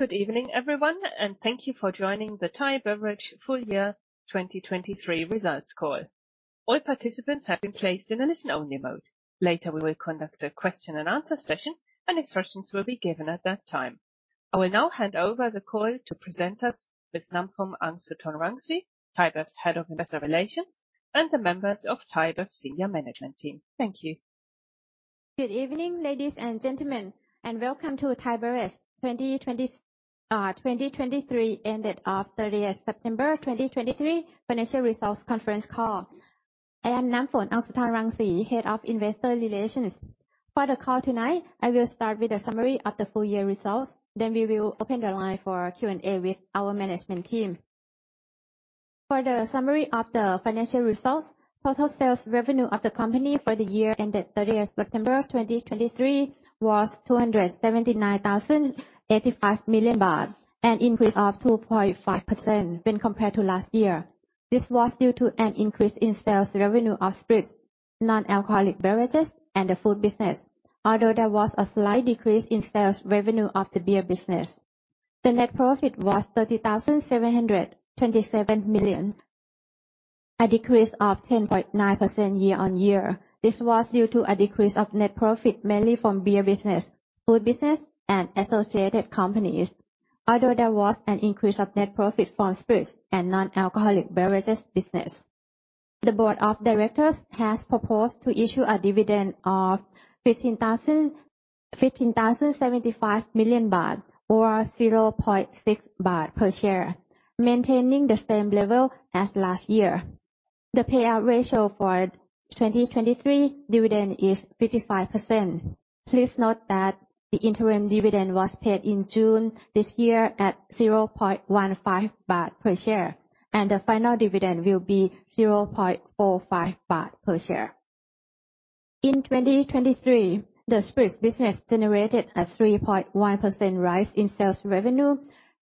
Good evening, everyone, and thank you for joining the Thai Beverage full year 2023 results call. All participants have been placed in a listen-only mode. Later, we will conduct a question and answer session, and instructions will be given at that time. I will now hand over the call to present us with Namfon Aungsutornrungsi, Thai Beverage Head of Investor Relations, and the members of Thai Beverage Senior Management Team. Thank you. Good evening, ladies and gentlemen, and welcome to Thai Beverage 2023, ended 30 September 2023, financial results conference call. I am Namfon Aungsutornrungsi, Head of Investor Relations. For the call tonight, I will start with a summary of the full year results, then we will open the line for Q&A with our management team. For the summary of the financial results, total sales revenue of the company for the year ended 30 September 2023 was 279,085 million baht, an increase of 2.5% when compared to last year. This was due to an increase in sales revenue of spirits, non-alcoholic beverages, and the food business. Although there was a slight decrease in sales revenue of the beer business, the net profit was 30,727 million, a decrease of 10.9% year-on-year. This was due to a decrease of net profit, mainly from beer business, food business, and associated companies. Although there was an increase of net profit from spirits and non-alcoholic beverages business. The board of directors has proposed to issue a dividend of 15,075 million baht, or 0.6 baht per share, maintaining the same level as last year. The payout ratio for 2023 dividend is 55%. Please note that the interim dividend was paid in June this year at 0.15 baht per share, and the final dividend will be 0.45 baht per share. In 2023, the spirits business generated a 3.1% rise in sales revenue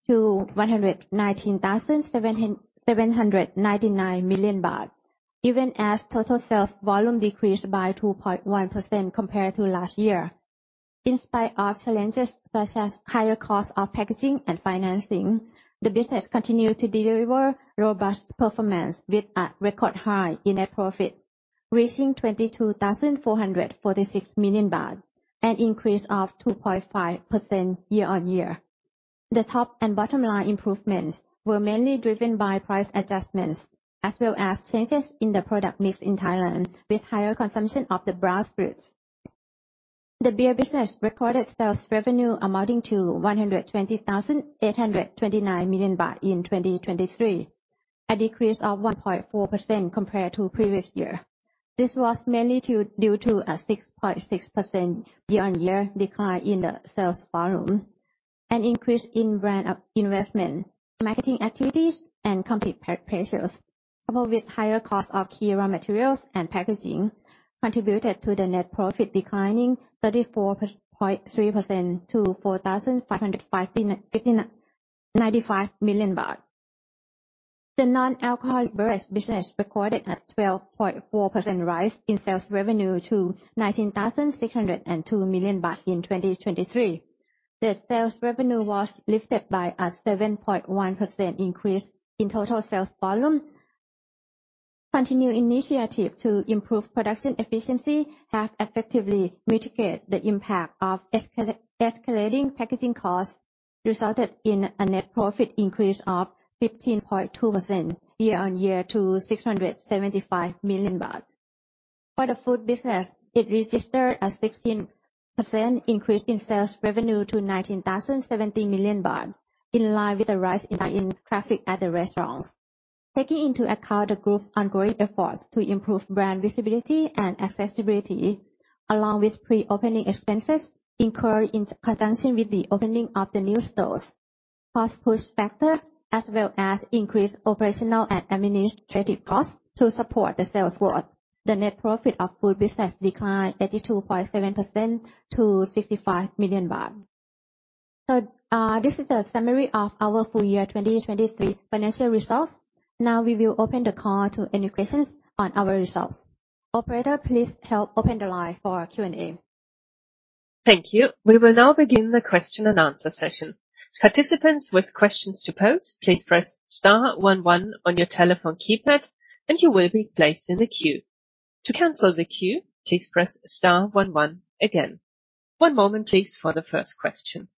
to 119,799 million baht, even as total sales volume decreased by 2.1% compared to last year. In spite of challenges such as higher costs of packaging and financing, the business continued to deliver robust performance with a record high in net profit, reaching 22,446 million baht, an increase of 2.5% year-on-year. The top and bottom line improvements were mainly driven by price adjustments, as well as changes in the product mix in Thailand, with higher consumption of the brown spirits. The beer business recorded sales revenue amounting to 120,829 million baht in 2023, a decrease of 1.4% compared to previous year. This was mainly due to a 6.6% year-on-year decline in the sales volume, an increase in brand A&P investment, marketing activities, and competitive pressures, coupled with higher cost of key raw materials and packaging, contributed to the net profit declining 34.3% to THB 4,559 million. The non-alcoholic beverage business recorded a 12.4% rise in sales revenue to 19,602 million baht in 2023. The sales revenue was lifted by a 7.1% increase in total sales volume. Continued initiative to improve production efficiency have effectively mitigated the impact of escalating packaging costs, resulted in a net profit increase of 15.2% year-on-year to 675 million baht. For the food business, it registered a 16% increase in sales revenue to 19,070 million baht, in line with the rise in traffic at the restaurants. Taking into account the group's ongoing efforts to improve brand visibility and accessibility, along with pre-opening expenses incurred in conjunction with the opening of the new stores, cost push factor, as well as increased operational and administrative costs to support the sales growth, the net profit of food business declined 82.7% to 65 million baht. This is a summary of our full year 2023 financial results. Now, we will open the call to any questions on our results. Operator, please help open the line for Q&A. Thank you. We will now begin the question and answer session. Participants with questions to pose, please press star one one on your telephone keypad, and you will be placed in the queue. To cancel the queue, please press star one one again. One moment, please, for the first question.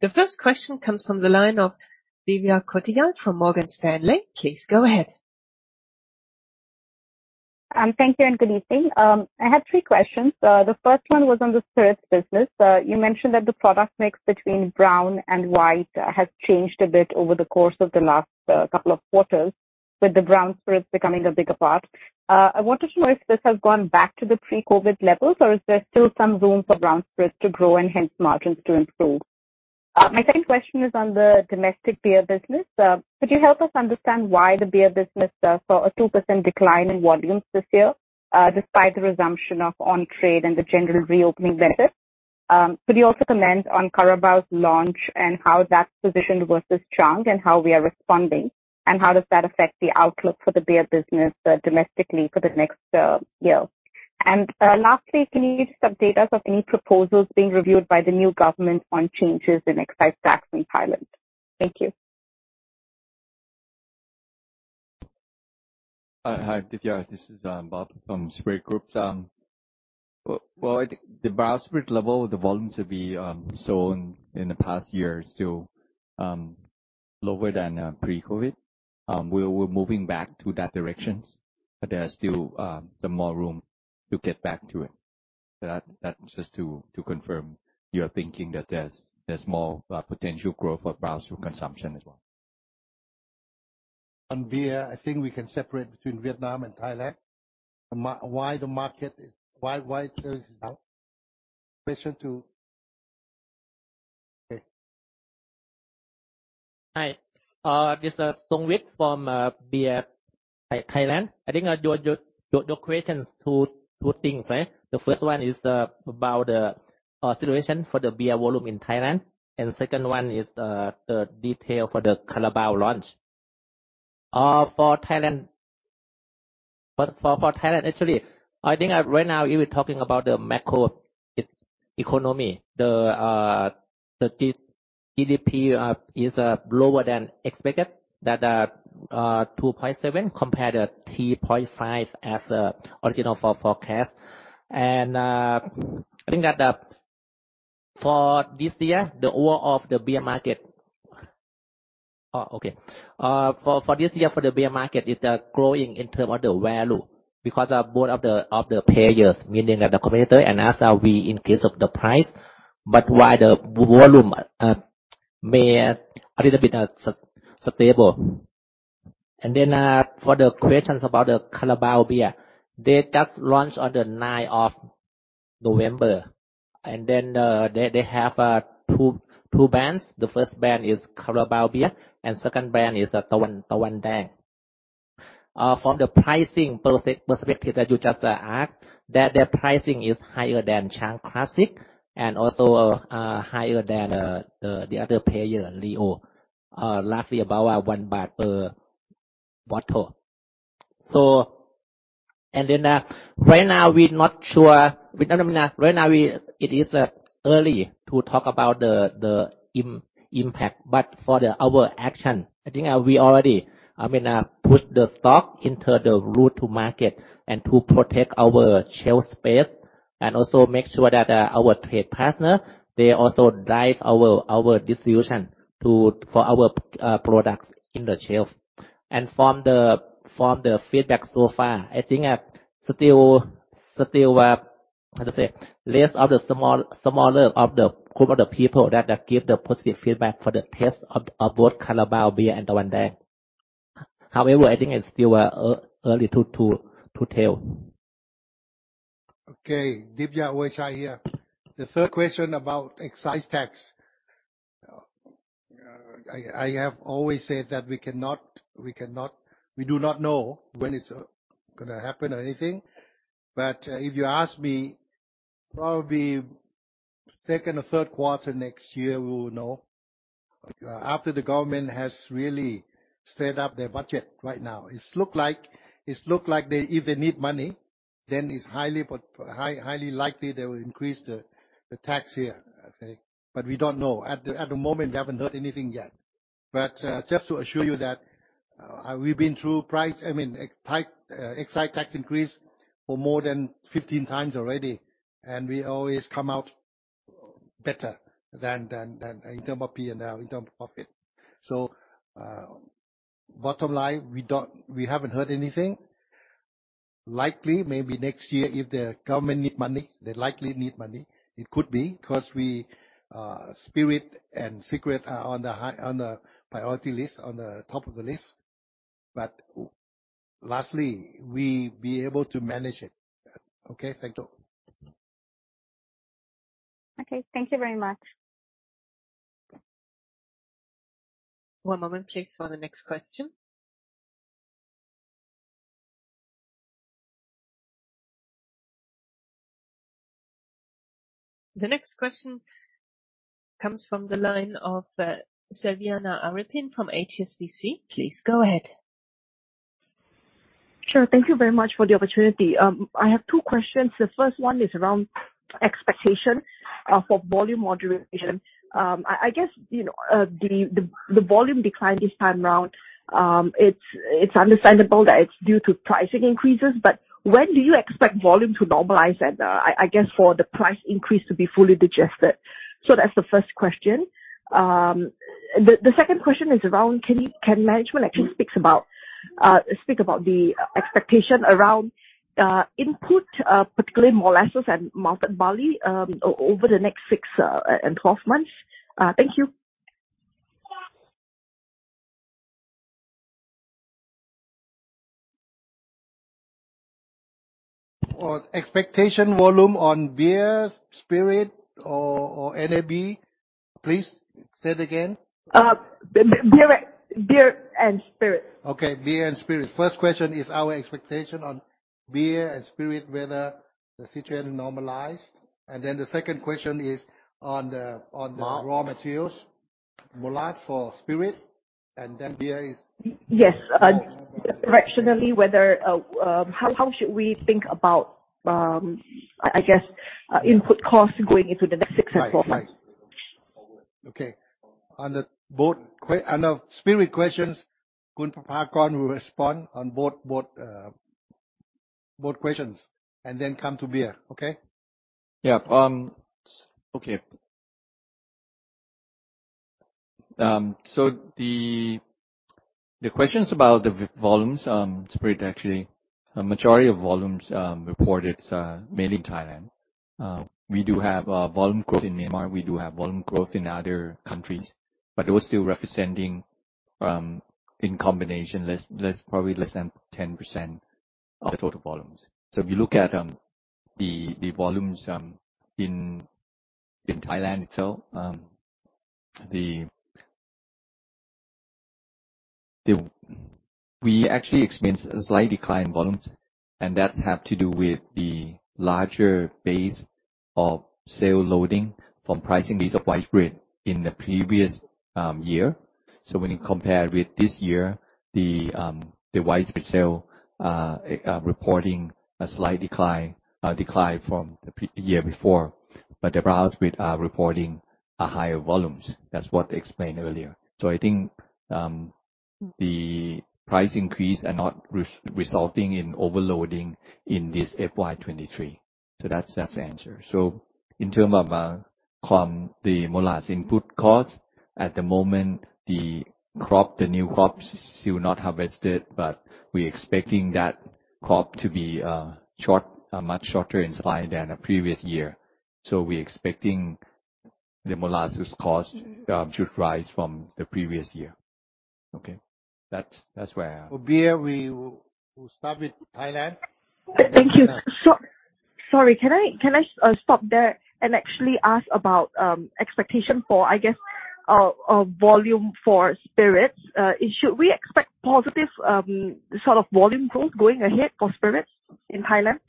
The first question comes from the line of Divya Kothiyal from Morgan Stanley. Please go ahead. Thank you and good evening. I had three questions. The first one was on the spirits business. You mentioned that the product mix between brown and white has changed a bit over the course of the last couple of quarters, with the brown spirits becoming a bigger part. I wanted to know if this has gone back to the pre-COVID levels, or is there still some room for brown spirits to grow and hence margins to improve? My second question is on the domestic beer business. Could you help us understand why the beer business saw a 2% decline in volumes this year, despite the resumption of on-trade and the general reopening latter? Could you also comment on Carabao's launch and how that's positioned versus Chang, and how we are responding? How does that affect the outlook for the beer business domestically for the next year? Lastly, can you just update us of any proposals being reviewed by the new government on changes in excise tax in Thailand? Thank you. Hi, Divya, this is Bob from Spirit Group. Well, at the brown spirit level, the volumes sold in the past year still lower than pre-COVID. We're moving back to that direction, but there are still some more room to get back to it. But that's just to confirm your thinking that there's more potential growth for brown spirit consumption as well. On beer, I think we can separate between Vietnam and Thailand. Why the market, why, why there is down? Question two. Okay. Hi, this is Songwit from Beer Thailand. I think your questions two things, right? The first one is about the situation for the beer volume in Thailand, and the second one is the detail for the Carabao launch. For Thailand... But for Thailand, actually, I think right now, we were talking about the macro economy. The GDP is lower than expected, that 2.7, compared to 3.5 as original forecast. I think that for this year, the overall of the beer market... Okay. For this year, for the beer market, it's growing in terms of the value because both of the players, meaning that the competitor and us, we increase the price, but while the volume may a little bit stable. And then, for the questions about the Carabao Beer, they just launched on the ninth of November, and then they have two brands. The first brand is Carabao Beer, and second brand is Tawandang. From the pricing perspective that you just asked, that their pricing is higher than Chang Classic and also higher than the other player, Leo. Roughly about 1 baht per bottle. And then, right now, we're not sure. We don't know right now. It is early to talk about the impact. But for our action, I think we already, I mean, pushed the stock into the route to market and to protect our shelf space, and also make sure that our trade partner they also drive our distribution for our products in the shelf. And from the feedback so far, I think still, how to say? A smaller group of the people that give the positive feedback for the taste of both Carabao Beer and Tawandang. However, I think it's still early to tell. Okay. Divya, Ueychai here. The third question about excise tax. I have always said that we cannot, we do not know when it's gonna happen or anything. But if you ask me, probably second or third quarter next year, we will know. After the government has really straighten up their budget right now. It looks like, it looks like they if they need money, then it's highly likely they will increase the tax here, okay? But we don't know. At the moment, we haven't heard anything yet. But just to assure you that we've been through price, I mean, excise tax increase for more than 15 times already, and we always come out better than in terms of P&L, in terms of profit. Bottom line, we haven't heard anything. Likely, maybe next year, if the government need money, they likely need money, it could be, 'cause spirits and cigarettes are on the priority list, on the top of the list. But lastly, we be able to manage it. Okay. Thank you. Okay, thank you very much. One moment, please, for the next question. The next question comes from the line of, Selviana Aripin from HSBC. Please go ahead. Sure. Thank you very much for the opportunity. I have two questions. The first one is around expectation for volume moderation. I guess, you know, the volume declined this time around. It's understandable that it's due to pricing increases, but when do you expect volume to normalize, and I guess for the price increase to be fully digested? So that's the first question. The second question is around, can you—can management actually speaks about speak about the expectation around input, particularly molasses and malted barley, over the next six and twelve months? Thank you. For expectation, volume on beer, spirit or, or NAB? Please say it again? Beer and spirit. Okay, beer and spirit. First question is our expectation on beer and spirit, whether the situation normalized. And then the second question is on the- Uh. raw materials, molasses for spirit, and then beer is? Yes. Directionally, how should we think about, I guess, input costs going into the next successive quarter? Right. Right. Okay. On both the spirit questions, Khun Prapakon will respond on both, both questions and then come to beer. Okay? Yeah. Okay. So the questions about the volumes, spirit, actually, a majority of volumes reported made in Thailand. We do have a volume growth in Myanmar. We do have volume growth in other countries, but those still representing, in combination, less, probably less than 10% of the total volumes. So if you look at the volumes in Thailand itself, we actually experienced a slight decline in volumes, and that's have to do with the larger base of sale loading from pricing base of white spirit in the previous year. So when you compare with this year, the white spirit sale reporting a slight decline, decline from the previous year before, but the brown spirit are reporting a higher volumes. That's what explained earlier. So I think, the price increase are not resulting in overloading in this FY 2023. So that's the answer. So in terms of, the molasses input costs, at the moment, the crop, the new crops still not harvested, but we're expecting that crop to be, short, much shorter in supply than the previous year. So we're expecting the molasses cost should rise from the previous year. Okay. That's where I am. For beer, we will start with Thailand. Thank you. Sorry, can I stop there and actually ask about expectation for, I guess, a volume for spirits? Should we expect positive sort of volume growth going ahead for spirits in Thailand?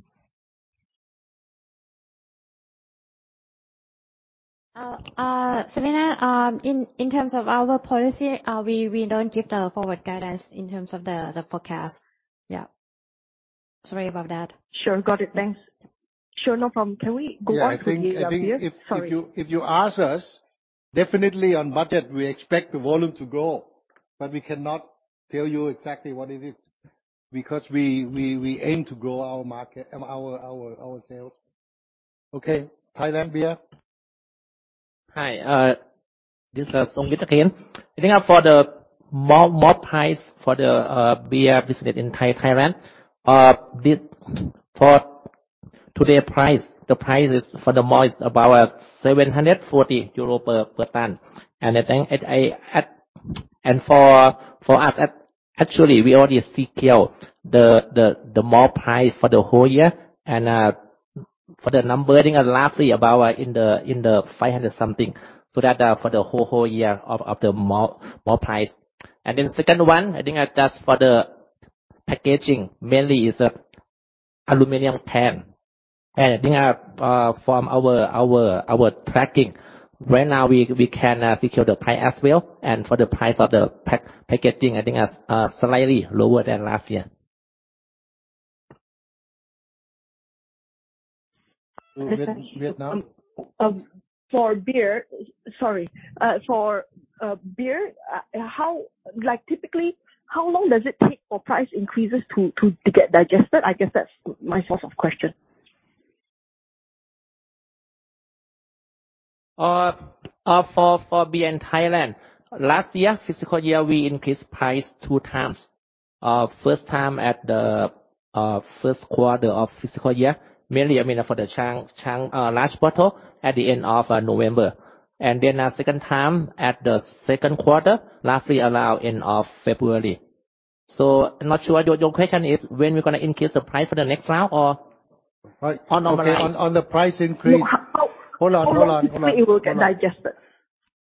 So, Viana, in terms of our policy, we don't give the forward guidance in terms of the forecast. Yeah. Sorry about that. Sure. Got it. Thanks. Sure, no problem. Can we go on to the beer? Sorry. Yeah, I think if you ask us, definitely on budget, we expect the volume to grow, but we cannot tell you exactly what it is, because we aim to grow our market and our sales. Okay, Thailand beer. Hi, this is Songwit again. I think for the malt, malt price for the beer business in Thailand, this, for today's price, the price is for the malt is about 740 euro per ton. And I think, for us, actually, we already secure the malt price for the whole year. And for the number, I think roughly about in the 500-something. So that for the whole year of the malt price. And then second one, I think just for the packaging, mainly is the aluminum can. And I think from our tracking, right now, we can secure the price as well, and for the price of the packaging, I think slightly lower than last year. Vietnam? For beer... Sorry, for beer, how, like, typically, how long does it take for price increases to get digested? I guess that's my first off question. For beer in Thailand, last year, fiscal year, we increased price 2 times. First time at the first quarter of fiscal year, mainly, I mean, for the Chang large bottle at the end of November. And then, second time at the second quarter, roughly around end of February. So I'm not sure, your question is when we're gonna increase the price for the next round or? Uh- On our price. Okay, on the price increase- No, how Hold on, hold on. How long do you think it will get digested?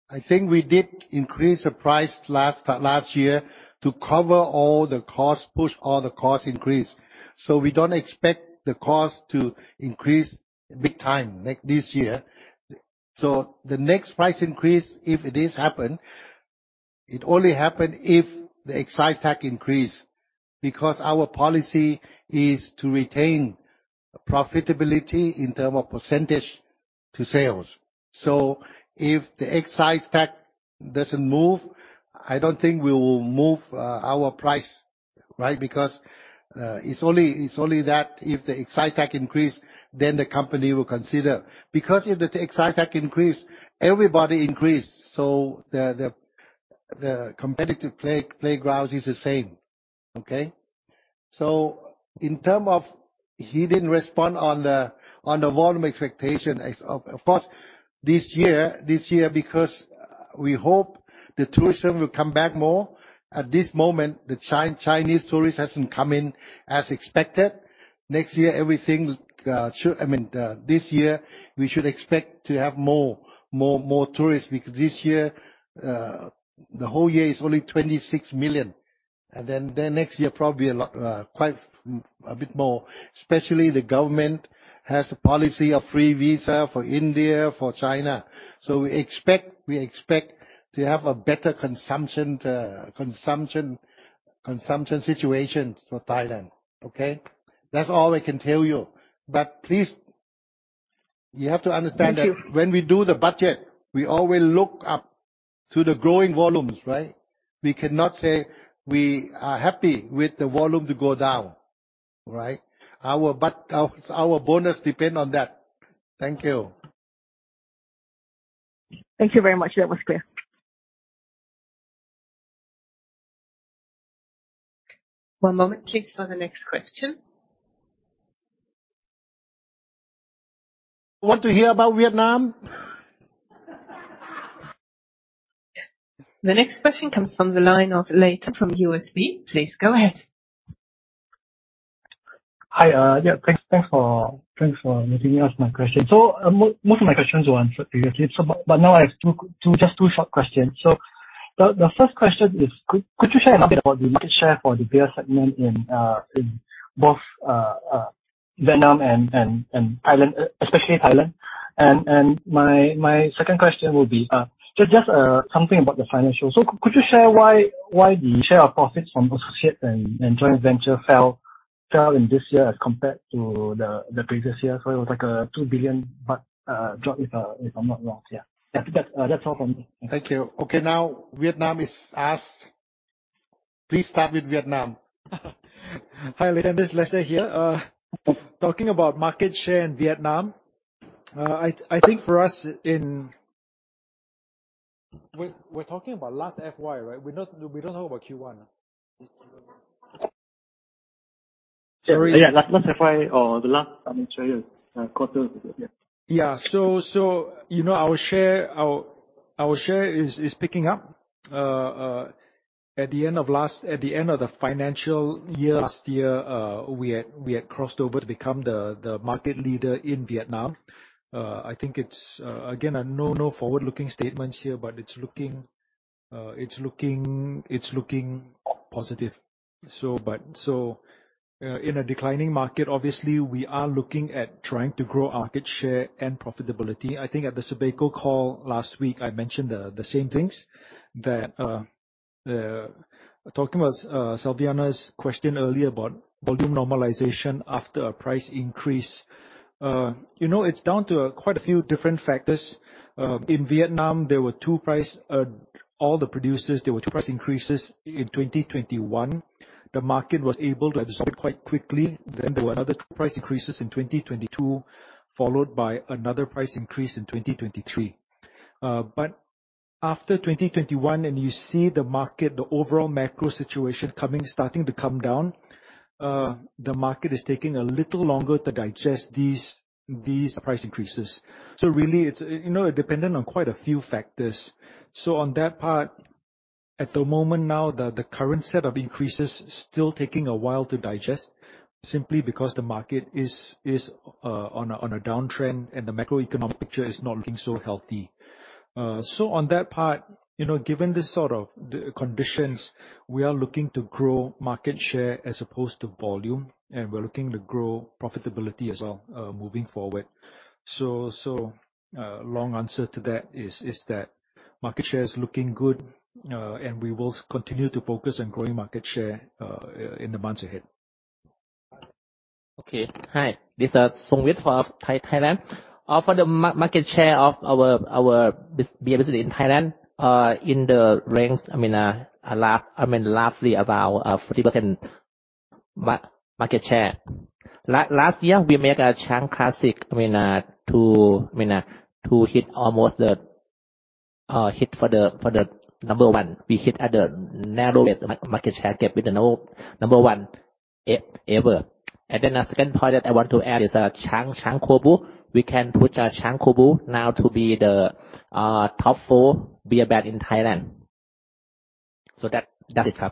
I think we did increase the price last year to cover all the costs, push all the cost increase. So we don't expect the cost to increase big time, like this year. So the next price increase, if it is happen, it only happen if the excise tax increase, because our policy is to retain profitability in term of percentage to sales. So if the excise tax doesn't move, I don't think we will move our price, right? Because it's only that if the excise tax increase, then the company will consider. Because if the excise tax increase, everybody increase. So the competitive playground is the same. Okay? So in term of... He didn't respond on the volume expectation. I, of course, this year, this year, because-... We hope the tourism will come back more. At this moment, the Chinese tourists hasn't come in as expected. Next year, everything should—I mean, this year, we should expect to have more, more, more tourists, because this year, the whole year is only 26 million. And then next year, probably a lot, quite a bit more, especially the government has a policy of free visa for India, for China. So we expect, we expect to have a better consumption situation for Thailand, okay? That's all I can tell you. But please, you have to understand that- Thank you. When we do the budget, we always look up to the growing volumes, right? We cannot say we are happy with the volume to go down, all right? Our bonus depends on that. Thank you. Thank you very much. That was clear. One moment, please, for the next question. Want to hear about Vietnam? The next question comes from the line of Larrison from UBS. Please go ahead. Hi, yeah, thanks for letting me ask my question. So, most of my questions were answered previously, so but now I have two, just two short questions. So the first question is, could you share a little bit about the market share for the beer segment in both Vietnam and Thailand, especially Thailand? And my second question would be, so just something about the financial. So could you share why the share of profits from associate and joint venture fell in this year as compared to the previous year? So it was like 2 billion, but drop, if I'm not wrong. Yeah. Yeah, that's all from me. Thank you. Okay, now Vietnam is asked. Please start with Vietnam. Hi, Larrison, this is Lester here. Talking about market share in Vietnam, I think for us. We're talking about last FY, right? We're not, we don't talk about Q1. Sorry. Yeah, last month FY or the last financial quarter. Yeah. Yeah. So, you know, our share is picking up. At the end of the financial year last year, we had crossed over to become the market leader in Vietnam. I think it's, again, no forward-looking statements here, but it's looking positive. So, in a declining market, obviously, we are looking at trying to grow market share and profitability. I think at the SABECO call last week, I mentioned the same things, that... Talking about Selviana's question earlier about volume normalization after a price increase. You know, it's down to quite a few different factors. In Vietnam, there were two price increases by all the producers in 2021. The market was able to absorb it quite quickly. Then there were another two price increases in 2022, followed by another price increase in 2023. But after 2021, and you see the market, the overall macro situation coming, starting to come down, the market is taking a little longer to digest these, these price increases. So really, it's, you know, dependent on quite a few factors. So on that part, at the moment now, the, the current set of increases still taking a while to digest, simply because the market is, is, on a downtrend, and the macroeconomic picture is not looking so healthy. So on that part, you know, given this sort of the conditions, we are looking to grow market share as opposed to volume, and we're looking to grow profitability as well, moving forward. So, long answer to that is that market share is looking good, and we will continue to focus on growing market share in the months ahead. Okay. Hi, this is Songwit from Thailand. For the market share of our beer business in Thailand, in the range, I mean, a large, I mean, roughly about 30% market share. Last year, we made a Chang Classic, I mean, to hit almost the number one. We hit at the narrowest market share gap with the new number one ever. And then the second point that I want to add is, Chang Cold Brew. We can put Chang Cold Brew now to be the top four beer brand in Thailand. So that's it, yeah.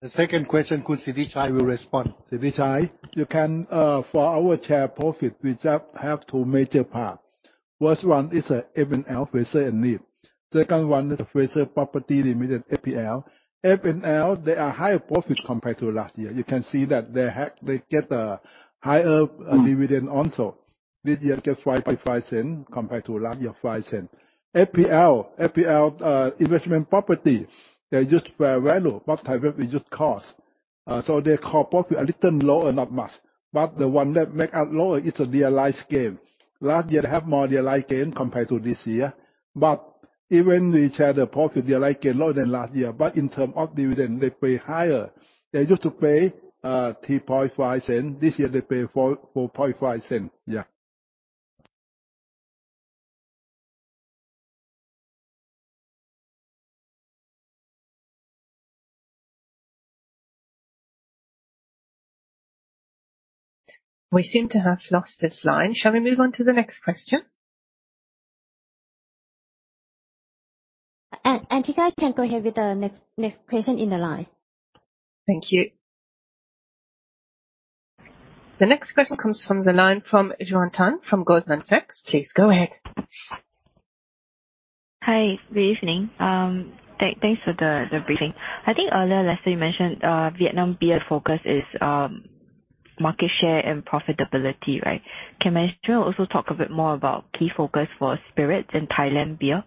The second question, Sithichai will respond. Sithichai, you can, for our share profit, we just have two major parts. First one is, F&N, Fraser and Neave. Second one is the Fraser's Property Limited, FPL. F&N, they are higher profit compared to last year. You can see that they had—they get a higher, dividend also. This year, get 0.055, compared to last year, 0.05. FPL, FPL, investment property, they use fair value, but FPL, we use cost. So their core profit a little lower, not much, but the one that make up lower is the realized gain. Last year, they have more realized gain compared to this year, but even we share the profit, realized gain lower than last year, but in terms of dividend, they pay higher. They used to pay, three point five cent. This year, they pay 0.04-0.045. Yeah. ... We seem to have lost this line. Shall we move on to the next question? Nantika, can go ahead with the next question in the line. Thank you. The next question comes from the line from Joan Tan, from Goldman Sachs. Please go ahead. Hi, good evening. Thanks for the briefing. I think earlier, Lester, you mentioned Vietnam beer focus is market share and profitability, right? Can management also talk a bit more about key focus for spirits in Thailand beer?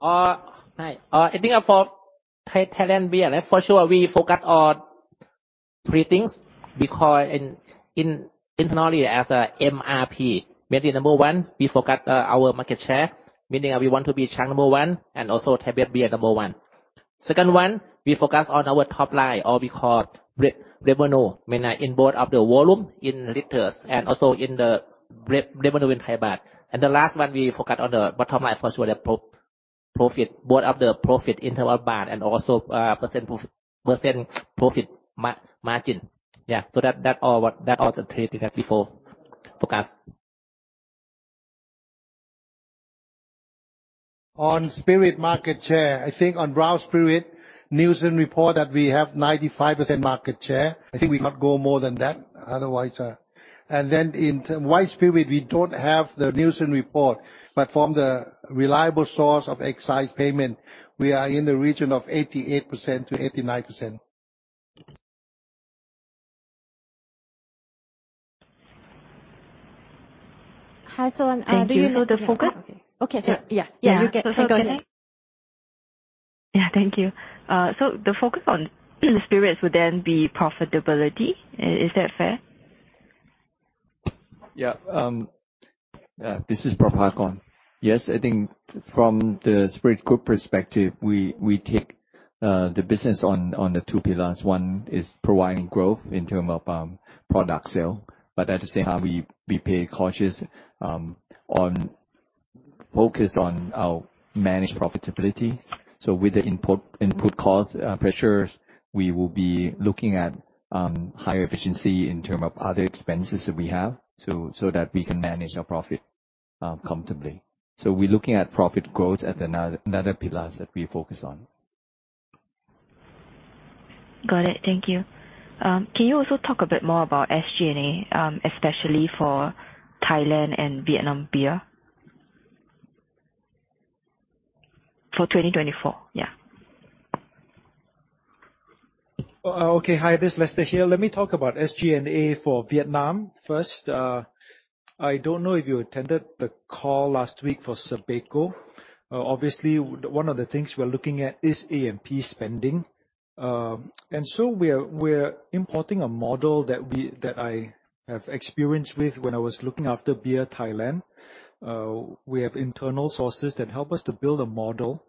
Hi. I think for Thailand beer, for sure, we focus on three things. We call internally as MRP. Mainly number one, we focus our market share, meaning we want to be brand number one and also Thai beer number one. Second one, we focus on our top line, or we call revenue, mainly in both of the volume, in liters, and also in the revenue in THB. And the last one, we focus on the bottom line, for sure, the profit, both of the profit in terms of THB and also percent profit margin. Yeah, so that all what that all the three things that we focus. On spirit market share, I think on brown spirit, Nielsen report that we have 95% market share. I think we cannot go more than that, otherwise... And then in white spirit, we don't have the Nielsen report, but from the reliable source of excise payment, we are in the region of 88%-89%. Hi, so, do you know the focus? Okay. Sorry. Yeah. Yeah, you get. Yeah. Thank you. So the focus on spirits would then be profitability. Is that fair? Yeah. This is Prapakon. Yes, I think from the Spirit Group perspective, we take the business on the two pillars. One is providing growth in terms of product sales, but at the same time, we are cautious to focus on our managed profitability. So with the imported input cost pressures, we will be looking at higher efficiency in terms of other expenses that we have, so that we can manage our profit comfortably. So we're looking at profit growth as another pillar that we focus on. Got it. Thank you. Can you also talk a bit more about SG&A, especially for Thailand and Vietnam beer? For 2024. Yeah. Okay. Hi, this is Lester here. Let me talk about SG&A for Vietnam. First, I don't know if you attended the call last week for Sabeco. Obviously, one of the things we're looking at is A&P spending. And so we are, we're importing a model that we, that I have experience with when I was looking after Beer Thailand. We have internal sources that help us to build a model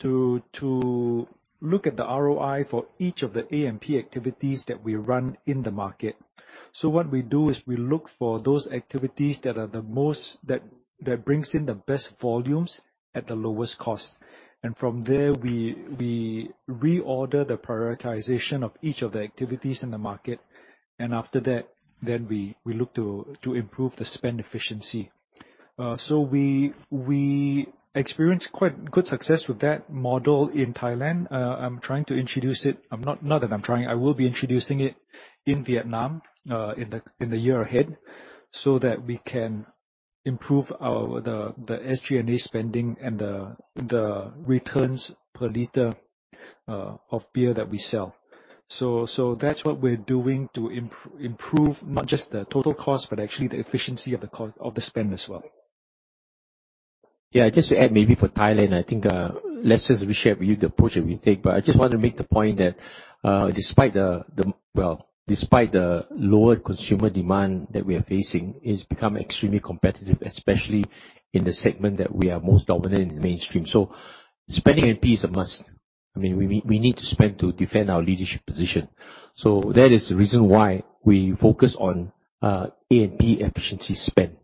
to, to look at the ROI for each of the A&P activities that we run in the market. So what we do is we look for those activities that are the most, that, that brings in the best volumes at the lowest cost. And from there, we, we reorder the prioritization of each of the activities in the market, and after that, then we, we look to, to improve the spend efficiency. So we experienced quite good success with that model in Thailand. I'm trying to introduce it... I'm not, not that I'm trying, I will be introducing it in Vietnam, in the year ahead, so that we can improve our, the, the SG&A spending and the, the returns per liter, of beer that we sell. So that's what we're doing to improve not just the total cost, but actually the efficiency of the spend as well. Yeah, just to add, maybe for Thailand, I think, Lester, we shared with you the approach that we take, but I just want to make the point that, despite the, well, despite the lower consumer demand that we are facing, it's become extremely competitive, especially in the segment that we are most dominant in the mainstream. So spending A&P is a must. I mean, we need to spend to defend our leadership position. So that is the reason why we focus on A&P efficiency spend.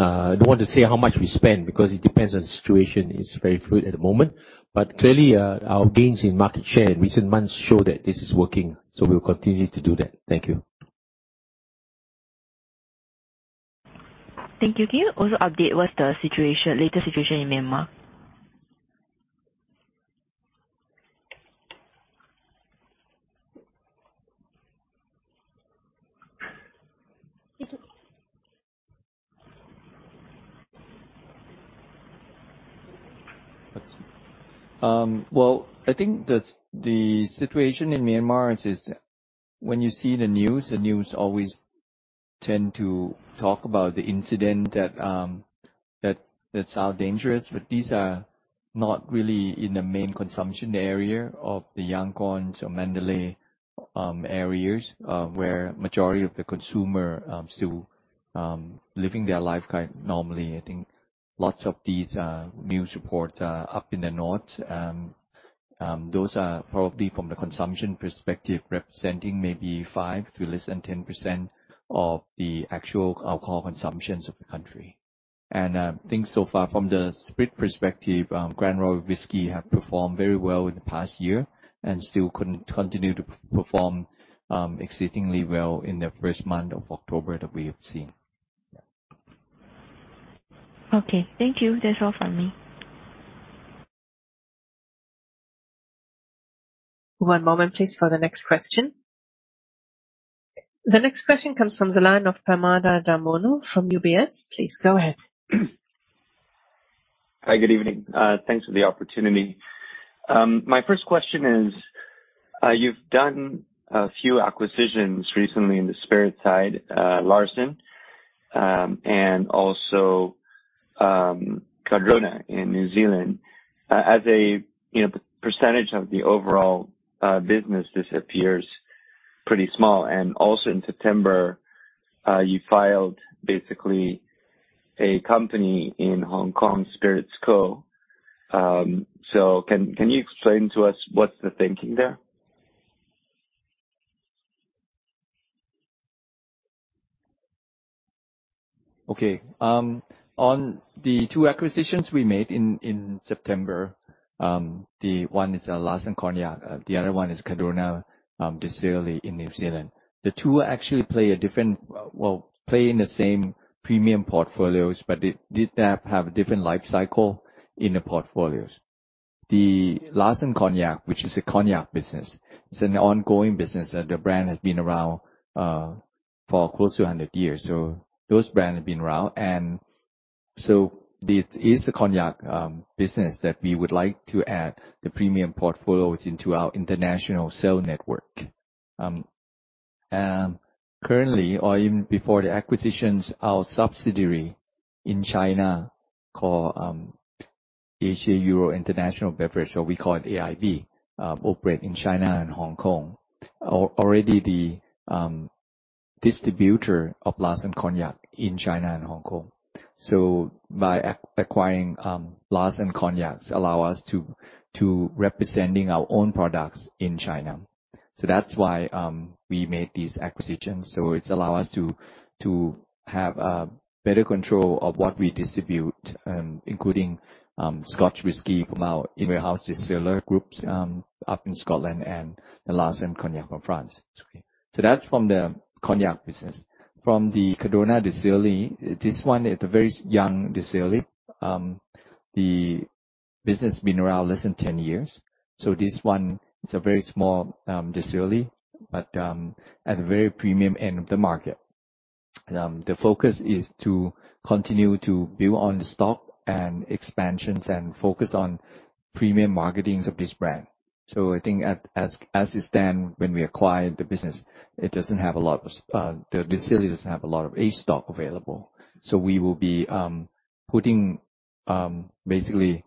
I don't want to say how much we spend, because it depends on the situation. It's very fluid at the moment, but clearly, our gains in market share in recent months show that this is working, so we'll continue to do that. Thank you. Thank you. Can you also update what's the situation, latest situation in Myanmar? Let's see. Well, I think the situation in Myanmar is, when you see the news, the news always tend to talk about the incident that that sound dangerous, but these are not really in the main consumption area of the Yangon or Mandalay areas, where majority of the consumer are still living their life normally. I think lots of these news reports are up in the north, those are probably from the consumption perspective, representing maybe 5% to less than 10% of the actual alcohol consumptions of the country... and I think so far from the spirit perspective, Grand Royal Whisky have performed very well in the past year and still continue to perform exceedingly well in the first month of October that we have seen. Okay. Thank you. That's all from me. One moment, please, for the next question. The next question comes from the line of Permada Darmono from UBS. Please go ahead. Hi, good evening. Thanks for the opportunity. My first question is, you've done a few acquisitions recently in the spirit side, Larsen, and also, Cardrona in New Zealand. As a, you know, percentage of the overall business, this appears pretty small, and also in September, you filed basically a company in Hong Kong, Spirits Co. So can you explain to us what's the thinking there? Okay. On the two acquisitions we made in September, the one is Larsen Cognac, the other one is Cardrona Distillery in New Zealand. The two actually play a different, well, play in the same premium portfolios, but they did have a different life cycle in the portfolios. The Larsen Cognac, which is a cognac business, it's an ongoing business, and the brand has been around for close to 100 years. So those brands have been around. And so it is a cognac business that we would like to add the premium portfolios into our international sale network. And currently, or even before the acquisitions, our subsidiary in China, called Asia Euro International Beverage, so we call it AEIB, operate in China and Hong Kong, are already the distributor of Larsen Cognac in China and Hong Kong. So by acquiring Larsen Cognac allows us to to representing our own products in China. So that's why we made these acquisitions. So it's allow us to to have a better control of what we distribute, including Scotch whisky from our Inver House Distillers group up in Scotland and the Larsen Cognac from France. So that's from the cognac business. From the Cardrona Distillery, this one is a very young distillery. The business has been around less than 10 years, so this one is a very small distillery, but at the very premium end of the market. The focus is to continue to build on the stock and expansions and focus on premium marketing of this brand. So I think as it stands, when we acquired the business, the distillery doesn't have a lot of aged stock available. So we will be putting basically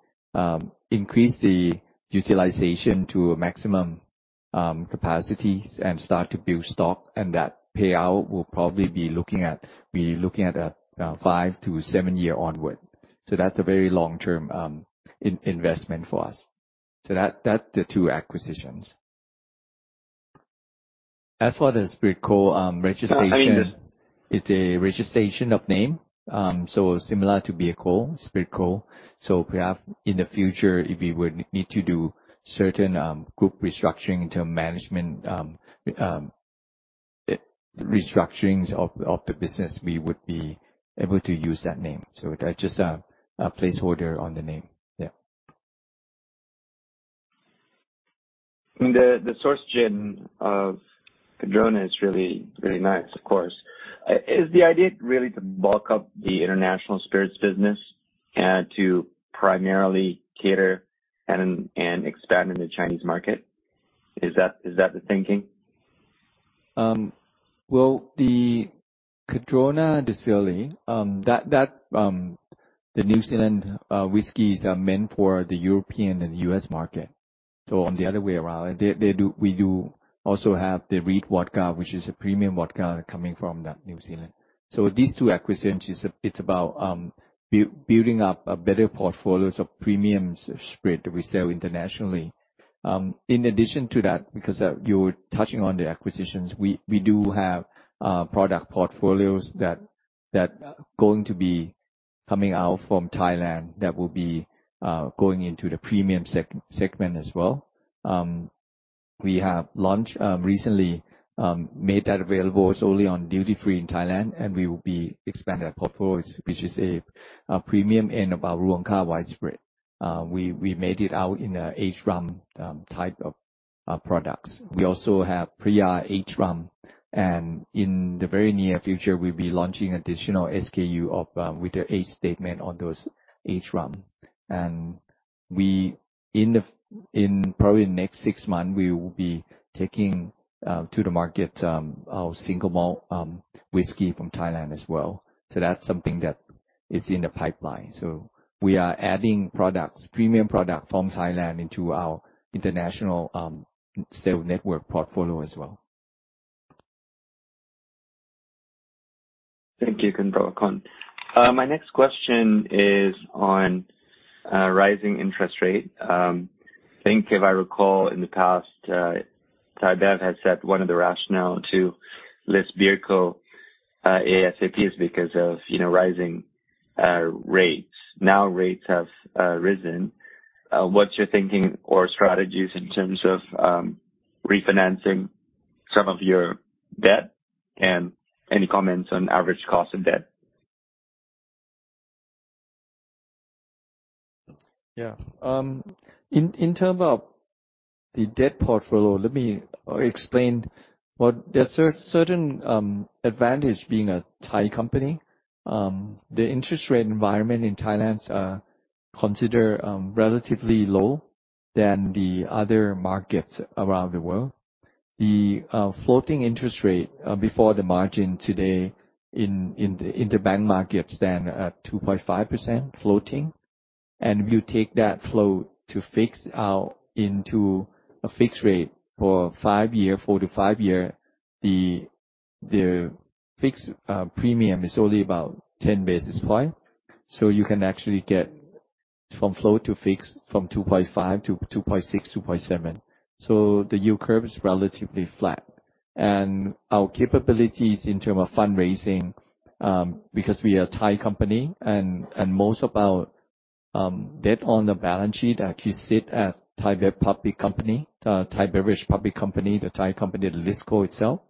increase the utilization to a maximum capacity and start to build stock, and that payout will probably be looking at a five-seven year onward. So that's a very long-term investment for us. So that's the two acquisitions. As for the Spirit Co. registration- I mean- It's a registration of name, so similar to BeerCo, SpiritCo. So perhaps in the future, if we would need to do certain group restructuring to management, restructurings of the business, we would be able to use that name. So that's just a placeholder on the name. Yeah. The Source Gin of Cardrona is really, really nice, of course. Is the idea really to bulk up the international spirits business, to primarily cater and expand in the Chinese market? Is that the thinking? Well, the Cardrona Distillery, that, the New Zealand whiskeys are meant for the European and U.S. market. So on the other way around, we do also have the Reid Vodka, which is a premium vodka coming from New Zealand. So these two acquisitions, it's about building up a better portfolios of premium spirits that we sell internationally. In addition to that, because you're touching on the acquisitions, we do have product portfolios that going to be coming out from Thailand, that will be going into the premium segment as well. We have launched recently made that available. It's only on duty free in Thailand, and we will be expanding our portfolios, which is a premium and about Ruang Khao white spirit. We made it out in the aged rum type of products. We also have Phraya Aged Rum, and in the very near future, we'll be launching additional SKU with the age statement on those aged rum. In probably the next six months, we will be taking to the market our single malt whiskey from Thailand as well. So that's something that is in the pipeline. So we are adding products, premium product from Thailand into our international sale network portfolio as well. Thank you, Prapakon. My next question is on rising interest rate. I think if I recall in the past, ThaiBev has said one of the rationale to list BeerCo ASAP is because of, you know, rising rates. Now, rates have risen. What's your thinking or strategies in terms of refinancing some of your debt? And any comments on average cost of debt? Yeah. In terms of the debt portfolio, let me explain. But there are certain advantages being a Thai company. The interest rate environment in Thailand is considered relatively lower than the other markets around the world. The floating interest rate before the margin today in the bank markets stands at 2.5% floating, and we take that float to fix out into a fixed rate for 5-year, four- to five year. The fixed premium is only about 10 basis points, so you can actually get from float to fixed, from 2.5% to 2.6%-2.7%. So the yield curve is relatively flat. Our capabilities in terms of fundraising, because we are a Thai company and most of our debt on the balance sheet actually sit at ThaiBev Public Company, Thai Beverage Public Company, the Thai company, the listed co itself,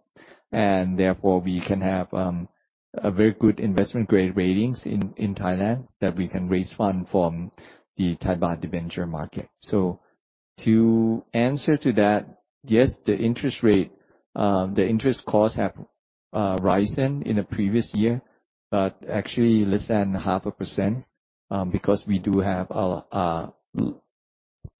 and therefore we can have a very good investment-grade ratings in Thailand that we can raise fund from the Thai Bond debenture market. So to answer to that, yes, the interest rate, the interest costs have risen in the previous year, but actually less than 0.5%, because we do have a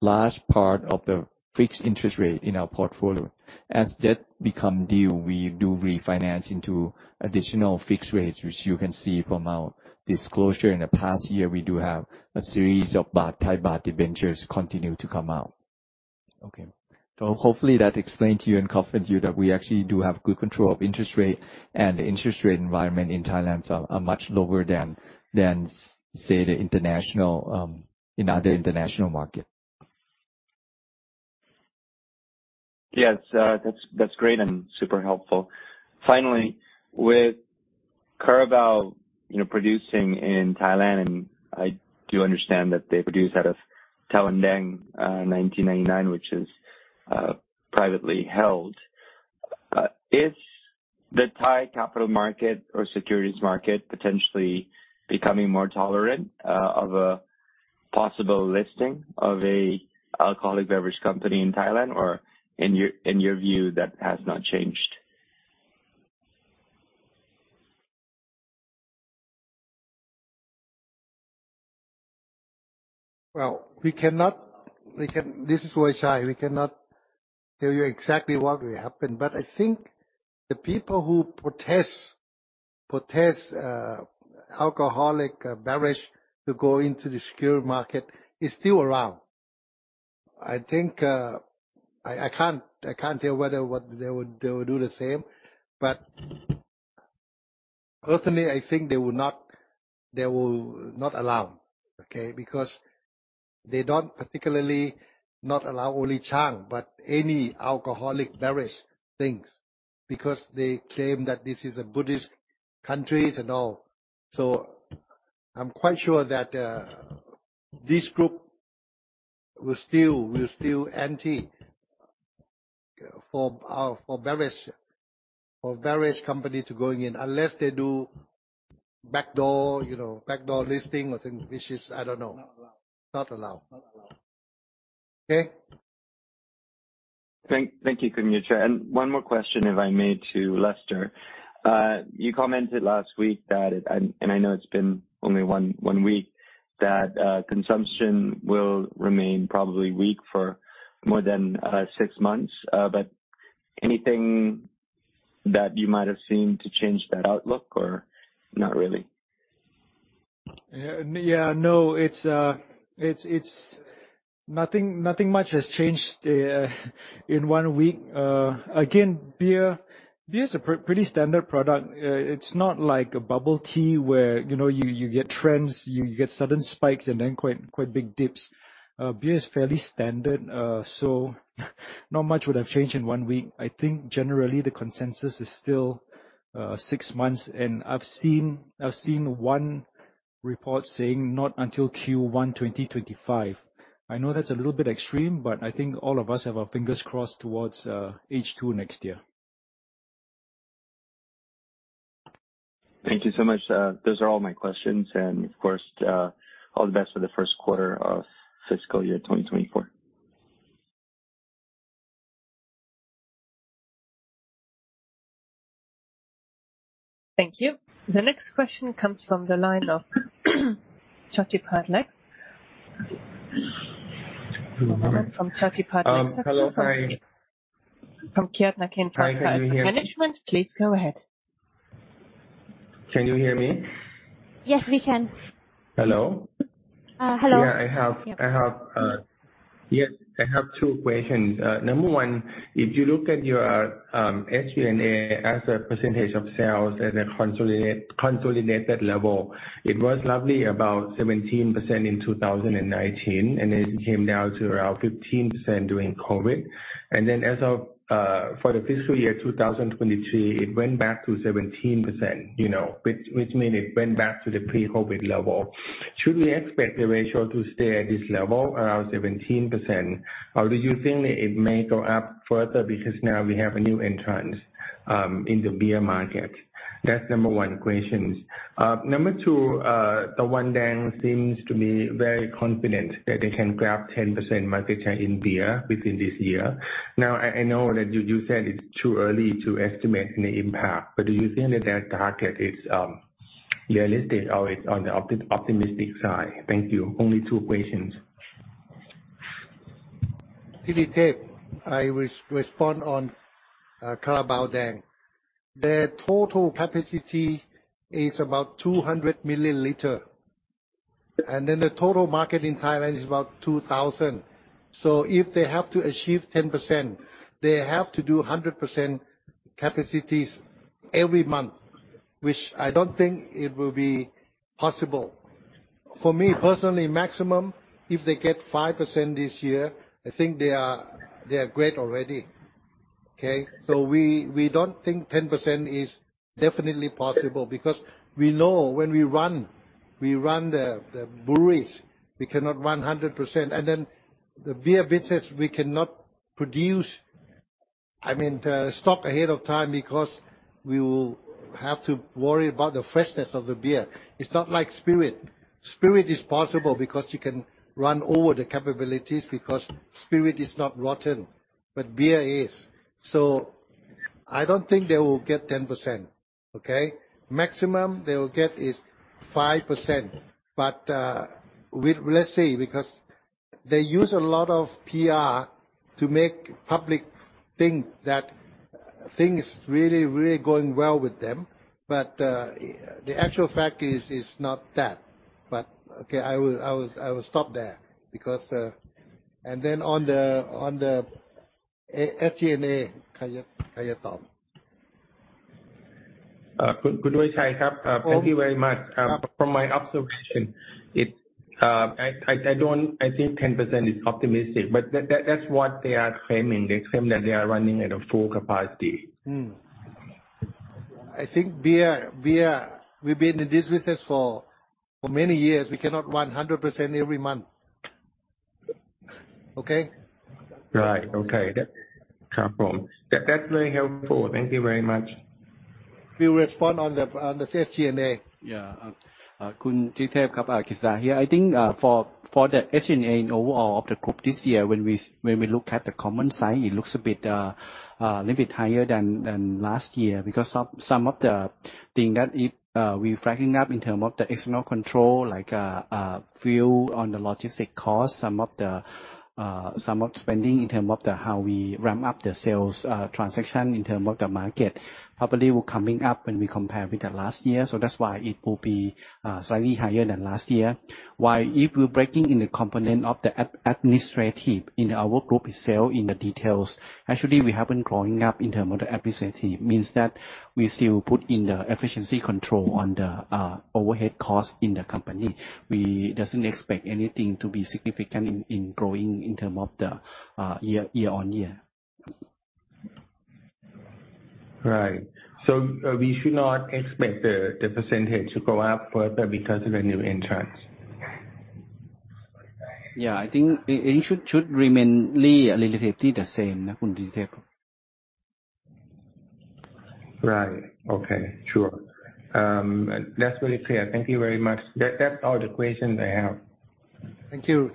large part of the fixed interest rate in our portfolio. As debt become due, we do refinance into additional fixed rates, which you can see from our disclosure. In the past year, we do have a series of baht, Thai baht debentures continue to come out. Okay. So hopefully that explained to you and confident you that we actually do have good control of interest rate, and the interest rate environment in Thailand are much lower than, say, the international in other international market. Yes, that's great and super helpful. Finally, with Carabao, you know, producing in Thailand, and I do understand that they produce out of Tawandang 1999, which is privately held. Is the Thai capital market or securities market potentially becoming more tolerant of a possible listing of a alcoholic beverage company in Thailand, or in your view, that has not changed? Well, we cannot. This is Ueychai. We cannot tell you exactly what will happen, but I think the people who protest alcoholic beverage to go into the securities market is still around. I think I can't tell whether what they would do the same, but personally, I think they will not allow, okay? Because they don't particularly not allow only Chang, but any alcoholic beverage things, because they claim that this is a Buddhist country and all. So I'm quite sure that this group will still anti for beverage company to going in, unless they do backdoor, you know, backdoor listing or things, which is, I don't know. Not allowed. Not allowed. Okay? Thank you, Ueychai. And one more question, if I may, to Lester. You commented last week that, and I know it's been only one week, that consumption will remain probably weak for more than six months. But anything that you might have seen to change that outlook or not really? Yeah, no, it's nothing much has changed in one week. Again, beer is a pretty standard product. It's not like a bubble tea where, you know, you get trends, you get sudden spikes and then quite big dips. Beer is fairly standard, so not much would have changed in one week. I think generally the consensus is still six months, and I've seen one report saying not until Q1 2025. I know that's a little bit extreme, but I think all of us have our fingers crossed towards H2 next year. Thank you so much. Those are all my questions, and of course, all the best for the first quarter of fiscal year 2024. Thank you. The next question comes from the line of Thitithep Nophaket. One moment, from Thitithep Nophaket Hello, hi. From Kiatnakin Company- Hi, can you hear me? Management, please go ahead. ... Can you hear me? Yes, we can. Hello? Uh, hello. Yes, I have two questions. Number one, if you look at your SG&A as a percentage of sales at a consolidated level, it was roughly about 17% in 2019, and then it came down to around 15% during COVID. And then as of for the fiscal year 2023, it went back to 17%, you know, which means it went back to the pre-COVID level. Should we expect the ratio to stay at this level, around 17%, or do you think it may go up further because now we have a new entrant in the beer market? That's number one question. Number two, Carabao seems to be very confident that they can grab 10% market share in beer within this year. Now, I know that you said it's too early to estimate any impact, but do you think that their target is realistic or it's on the optimistic side? Thank you. Only two questions. Thitithep, I respond on Carabao then. Their total capacity is about 200 million liters, and then the total market in Thailand is about 2,000 million liters. So if they have to achieve 10%, they have to do 100% capacities every month, which I don't think it will be possible. For me, personally, maximum, if they get 5% this year, I think they are, they are great already. Okay? So we, we don't think 10% is definitely possible, because we know when we run, we run the, the breweries, we cannot run 100%, and then the beer business, we cannot produce, I mean, the stock ahead of time because we will have to worry about the freshness of the beer. It's not like spirit. Spirit is possible because you can run over the capabilities, because spirit is not rotten, but beer is. So I don't think they will get 10%, okay? Maximum they will get is 5%. But let's see, because they use a lot of PR to make public think that things really, really going well with them. But the actual fact is not that. But okay, I will stop there because... And then on the A&P, SG&A, can you talk? Thank you very much. Oh. From my observation, it, I don't... I think 10% is optimistic, but that, that's what they are claiming. They claim that they are running at a full capacity. I think beer, we've been in this business for many years. We cannot run 100% every month. Okay? Right. Okay, that's confirmed. That, that's very helpful. Thank you very much. We'll respond on the SG&A. Yeah. Khun Thitithep, Kosit here. I think, for the SG&A overall of the group this year, when we look at the common side, it looks a bit little bit higher than last year, because some of the thing that it we flagging up in terms of the external control, like fuel on the logistic cost, some of the some of spending in terms of the how we ramp up the sales transaction in terms of the market, probably will coming up when we compare with the last year. So that's why it will be slightly higher than last year. While if we're breaking in the component of the administrative in our group itself, in the details, actually, we have been growing up in terms of the administrative. Means that we still put in the efficiency control on the overhead cost in the company. We doesn't expect anything to be significant in growing in terms of the year-on-year. Right. So, we should not expect the percentage to go up further because of the new entrants? Yeah, I think it should remain relatively the same, นะ Khun Thitithep. Right. Okay, sure. That's very clear. Thank you very much. That's all the questions I have. Thank you,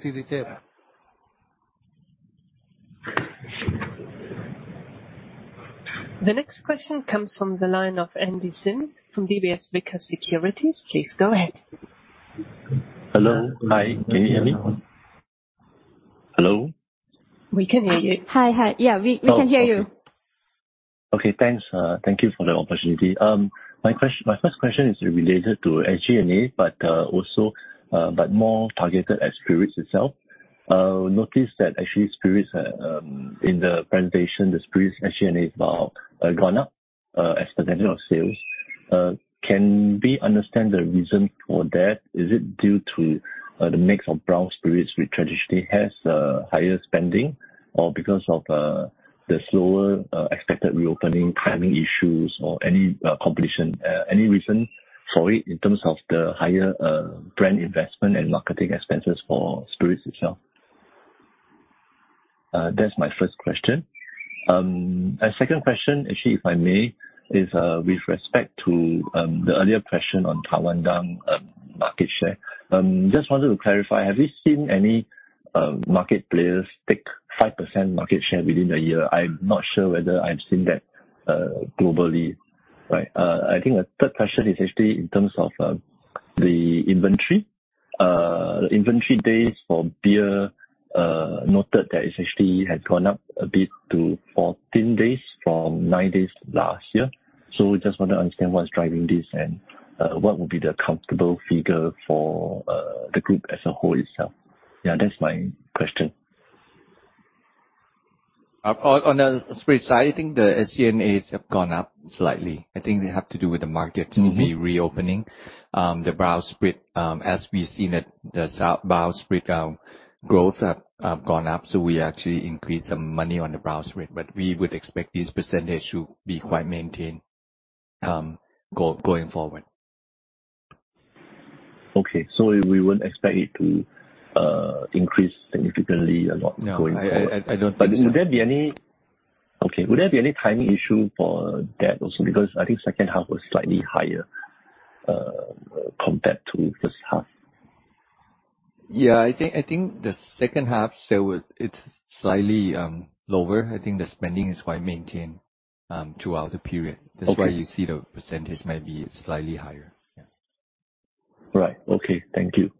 Thitithep. The next question comes from the line of Andy Sim from DBS Vickers Securities. Please go ahead. Hello. Hi, can you hear me? Hello? We can hear you. Hi. Hi. Yeah, we, we can hear you. Oh, okay. Okay, thanks. Thank you for the opportunity. My first question is related to SG&A, but, also, but more targeted at spirits itself. Notice that actually spirits, in the presentation, the spirits SG&A is now, gone up, as percentage of sales. Can we understand the reason for that? Is it due to, the mix of brown spirits, which traditionally has, higher spending, or because of, the slower, expected reopening, timing issues, or any, competition, any reason for it in terms of the higher, brand investment and marketing expenses for spirits itself? That's my first question. And second question, actually, if I may, is, with respect to, the earlier question on Tawandang, market share. Just wanted to clarify, have you seen any market players take 5% market share within the year? I'm not sure whether I've seen that globally, right. I think the third question is actually in terms of the inventory. Inventory days for beer noted that it actually had gone up a bit to 14 days from 9 days last year. So just want to understand what's driving this, and what would be the comfortable figure for the group as a whole itself? Yeah, that's my question. On the split side, I think the SG&As have gone up slightly. I think they have to do with the market- Mm-hmm. -to be reopening. The beer split, as we've seen that the south beer split, growth have, gone up, so we actually increased some money on the beer split. But we would expect this percentage to be quite maintained, going forward. Okay. So we wouldn't expect it to increase significantly a lot going forward? No, I don't think so. Would there be any timing issue for that also? Because I think second half was slightly higher, compared to first half. Yeah. I think, I think the second half, so it's slightly lower. I think the spending is quite maintained throughout the period. Okay. That's why you see the percentage might be slightly higher. Yeah. Right. Okay. Thank you.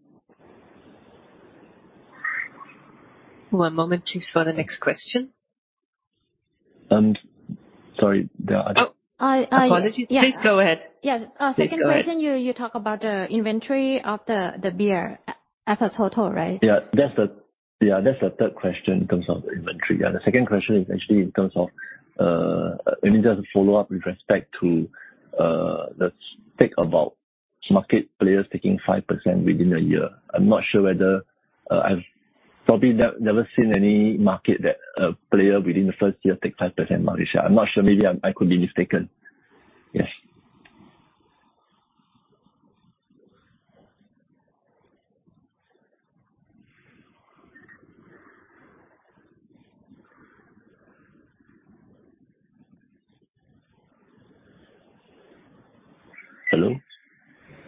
One moment, please, for the next question. Sorry, the other- Oh, I, I- Apologies. Please go ahead. Yes. Please go ahead. Second question, you talk about the inventory of the beer as a total, right? Yeah. That's the... Yeah, that's the third question in terms of inventory. Yeah, the second question is actually in terms of, let me just follow up with respect to, the take about market players taking 5% within a year. I'm not sure whether, I've probably never seen any market that a player within the first year take 5% market share. I'm not sure. Maybe I, I could be mistaken. Yes.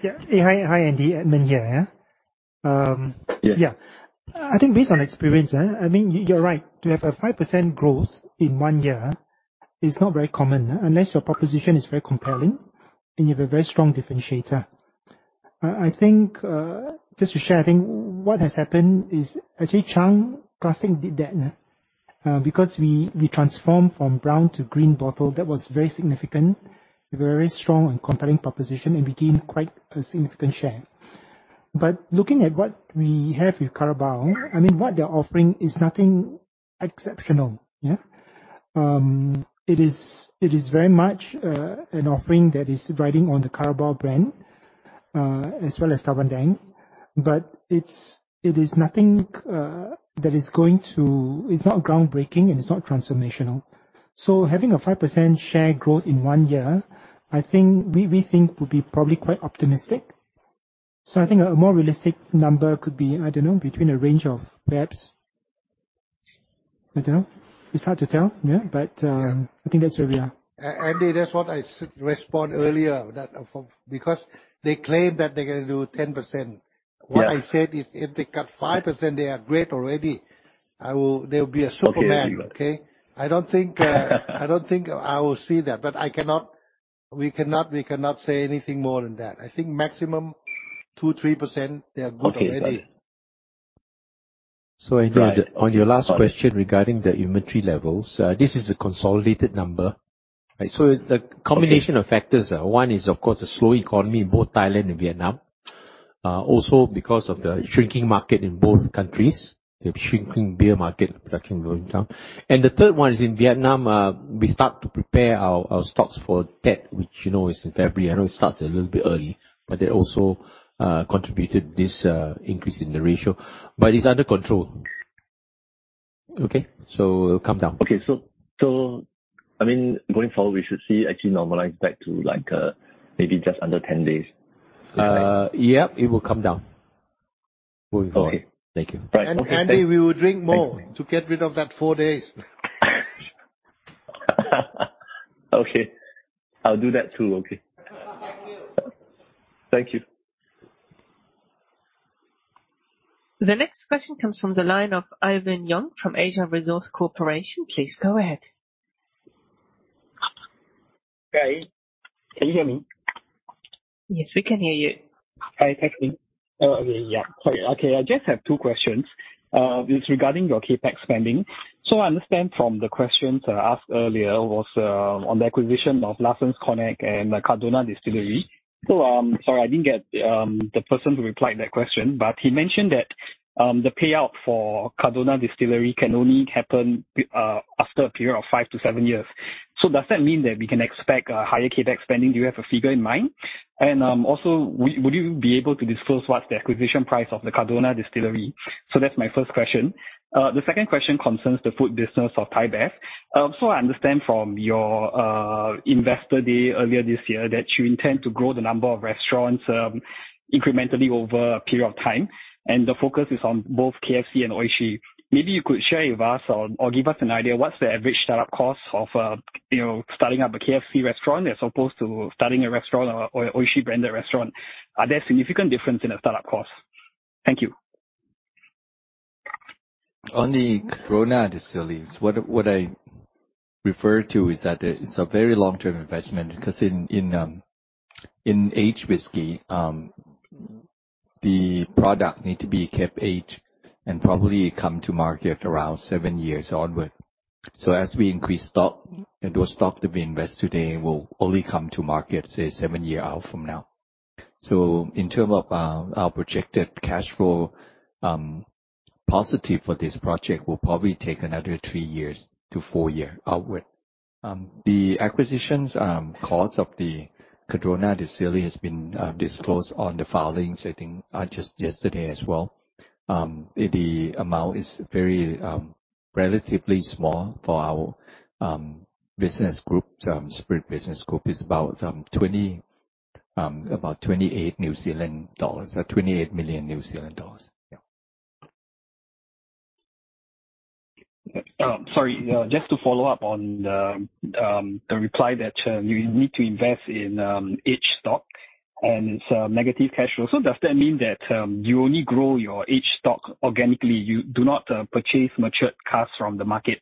Hello? Yeah. Hi, hi, Andy. Edmund here, yeah. Yeah. Yeah. I think based on experience, I mean, you're right. To have a 5% growth in one year is not very common, unless your proposition is very compelling and you have a very strong differentiator. I think, just to share, I think what has happened is actually Chang Classic did that, because we transformed from brown to green bottle. That was very significant, very strong and compelling proposition and became quite a significant share. But looking at what we have with Carabao, I mean, what they're offering is nothing exceptional. It is very much an offering that is riding on the Carabao brand, as well as Tawandang, but it is nothing that is going to... It's not groundbreaking, and it's not transformational. So having a 5% share growth in one year, I think, we, we think would be probably quite optimistic. So I think a more realistic number could be, I don't know, between a range of perhaps... I don't know. It's hard to tell, yeah, but, Yeah. I think that's where we are. Andy, that's what I said earlier, that, for... Because they claim that they're gonna do 10%. Yeah. What I said is, if they cut 5%, they are great already. They'll be a superman. Okay, Edmund. Okay? I don't think, I don't think I will see that, but I cannot, we cannot, we cannot say anything more than that. I think maximum 2%-3%, they are good already. Okay. Got it. So, Andy, on your last question regarding the inventory levels, this is a consolidated number. So it's the combination of factors. One is, of course, the slow economy in both Thailand and Vietnam. Also, because of the shrinking market in both countries, the shrinking beer market production going down. And the third one is in Vietnam, we start to prepare our stocks for Tet, which, you know, is in February. I know it starts a little bit early, but that also contributed this increase in the ratio. But it's under control. Okay? So it will come down. Okay. So, I mean, going forward, we should see actually normalize back to, like, maybe just under 10 days. Yep, it will come down moving forward. Okay. Thank you. All right. Andy, we will drink more to get rid of that four days. Okay. I'll do that too, okay. Thank you. Thank you. The next question comes from the line of Ivan Yong from Asia Resource Corporation. Please go ahead. Hi, can you hear me? Yes, we can hear you. Hi, thank you. I just have two questions. It's regarding your CapEx spending. So I understand from the questions asked earlier was on the acquisition of Larsen's Cognac and the Cardrona Distillery. So, sorry, I didn't get the person to reply to that question, but he mentioned that the payout for Cardrona Distillery can only happen after a period of five to seven years. So does that mean that we can expect a higher CapEx spending? Do you have a figure in mind? And, also, would you be able to disclose what's the acquisition price of the Cardrona Distillery? So that's my first question. The second question concerns the food business of ThaiBev. So, I understand from your investor day earlier this year, that you intend to grow the number of restaurants incrementally over a period of time, and the focus is on both KFC and Oishi. Maybe you could share with us or, or give us an idea what's the average startup cost of, you know, starting up a KFC restaurant as opposed to starting a restaurant or, or Oishi-branded restaurant? Are there significant difference in the startup cost? Thank you. On the Cardrona Distillery, what I refer to is that it's a very long-term investment, because in aged whiskey, the product need to be kept aged and probably come to market around seven years onward. So as we increase stock, and those stock that we invest today will only come to market, say, seven years out from now. So in term of our projected cash flow, positive for this project will probably take another three years to four years outward. The acquisition cost of the Cardrona Distillery has been disclosed on the filings, I think, just yesterday as well. The amount is very relatively small for our business group. Spirit business group is about twenty, about twenty-eight New Zealand dollars. Twenty-eight million New Zealand dollars. Yeah. Sorry, just to follow up on the reply that you need to invest in aged stock, and it's a negative cash flow. So does that mean that you only grow your aged stock organically? You do not purchase matured casks from the market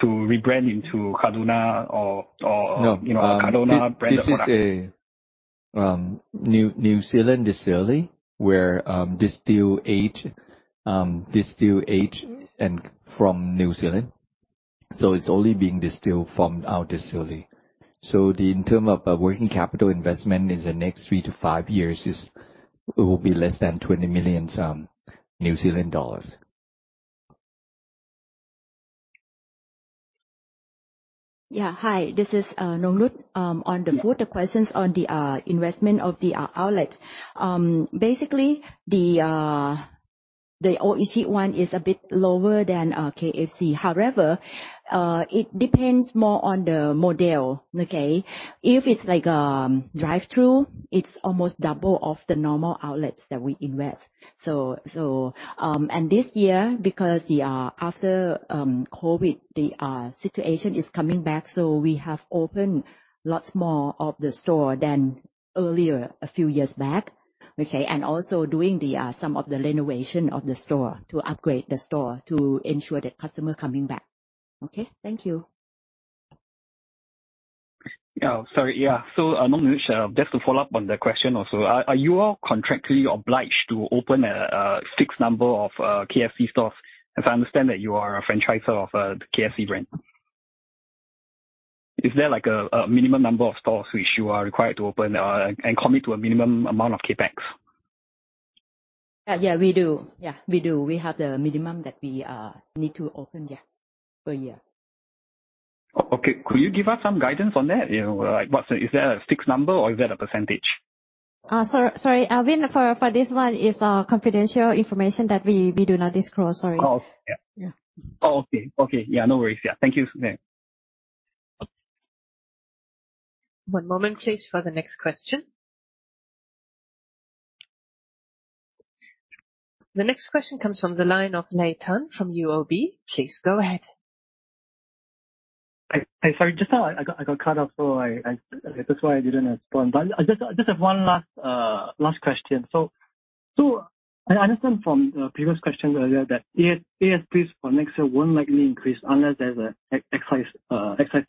to rebrand into Cardrona or, or- No. You know, Cardrona brand of product. This is a New Zealand distillery, where distill, age, and from New Zealand. So it's only being distilled from our distillery. So in terms of a working capital investment in the next 3-5 years, it will be less than 20 million New Zealand dollars. Yeah. Hi, this is Nongnuch. On the food, the questions on the investment of the outlet. Basically, the Oishi one is a bit lower than KFC. However, it depends more on the model, okay? If it's like drive-through, it's almost double of the normal outlets that we invest. So, and this year, because after COVID, the situation is coming back, so we have opened lots more of the store than earlier, a few years back, okay? And also doing some of the renovation of the store to upgrade the store to ensure that customer coming back. Okay? Thank you. Yeah. Sorry, yeah. So, Nongnuch, just to follow up on the question also, are you all contractually obliged to open a fixed number of KFC stores? As I understand that you are a franchisor of the KFC brand. Is there like a minimum number of stores which you are required to open and commit to a minimum amount of CapEx? Yeah, we do. Yeah, we do. We have the minimum that we need to open, yeah, per year. Okay. Could you give us some guidance on that? You know, like, what's the... Is that a fixed number or is that a percentage? Sorry, Alvin, for this one, it's confidential information that we do not disclose. Sorry. Oh, yeah. Yeah. Oh, okay. Okay, yeah, no worries. Yeah. Thank you for that. One moment, please, for the next question. The next question comes from the line of Llelleythan Tan from UOB. Please go ahead. Hi, hi. Sorry, just now I got cut off, so that's why I didn't respond. But I just have one last question. So I understand from previous questions earlier that ASPs for next year won't likely increase unless there's excise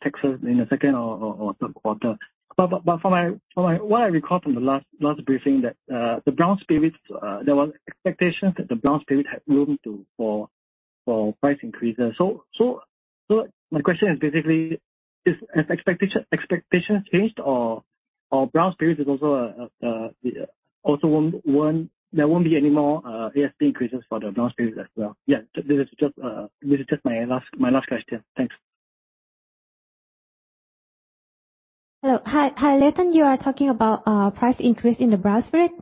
taxes in the second or third quarter. But from my—from what I recall from the last briefing, the brown spirits, there was expectations that the brown spirit had room for price increases. So my question is basically, has expectations changed or brown spirits is also won't... There won't be any more ASP increases for the brown spirits as well? Yeah, this is just my last question. Thanks. Hello. Hi, hi, Lester Tan, you are talking about price increase in the brown spirit?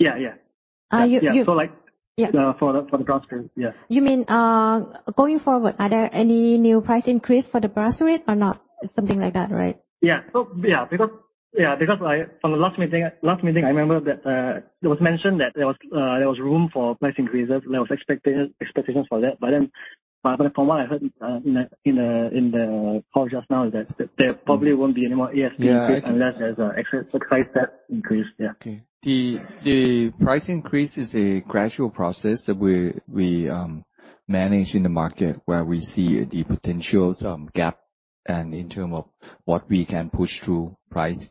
Yeah, yeah. Uh, you, you- Yeah, so like- Yeah. For the brown spirits, yeah. You mean, going forward, are there any new price increase for the brown spirit or not? Something like that, right? Yeah. So, because I... From the last meeting, I remember that it was mentioned that there was room for price increases. There was expectations for that. But then, from what I heard in the call just now is that there probably won't be any more ASP- Yeah. -increase unless there's an extra excise tax increase. Yeah. Okay. The price increase is a gradual process that we manage in the market, where we see the potential gap and in term of what we can push through price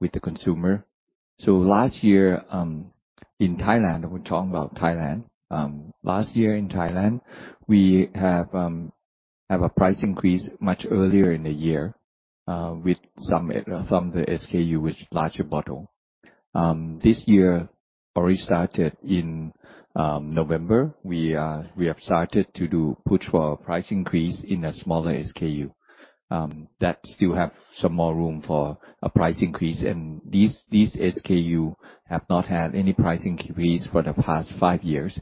with the consumer. So last year in Thailand, we're talking about Thailand. Last year in Thailand, we have a price increase much earlier in the year, with some from the SKU, with larger bottle. This year, already started in November. We have started to do push for a price increase in a smaller SKU, that still have some more room for a price increase. And these SKU have not had any price increase for the past five years,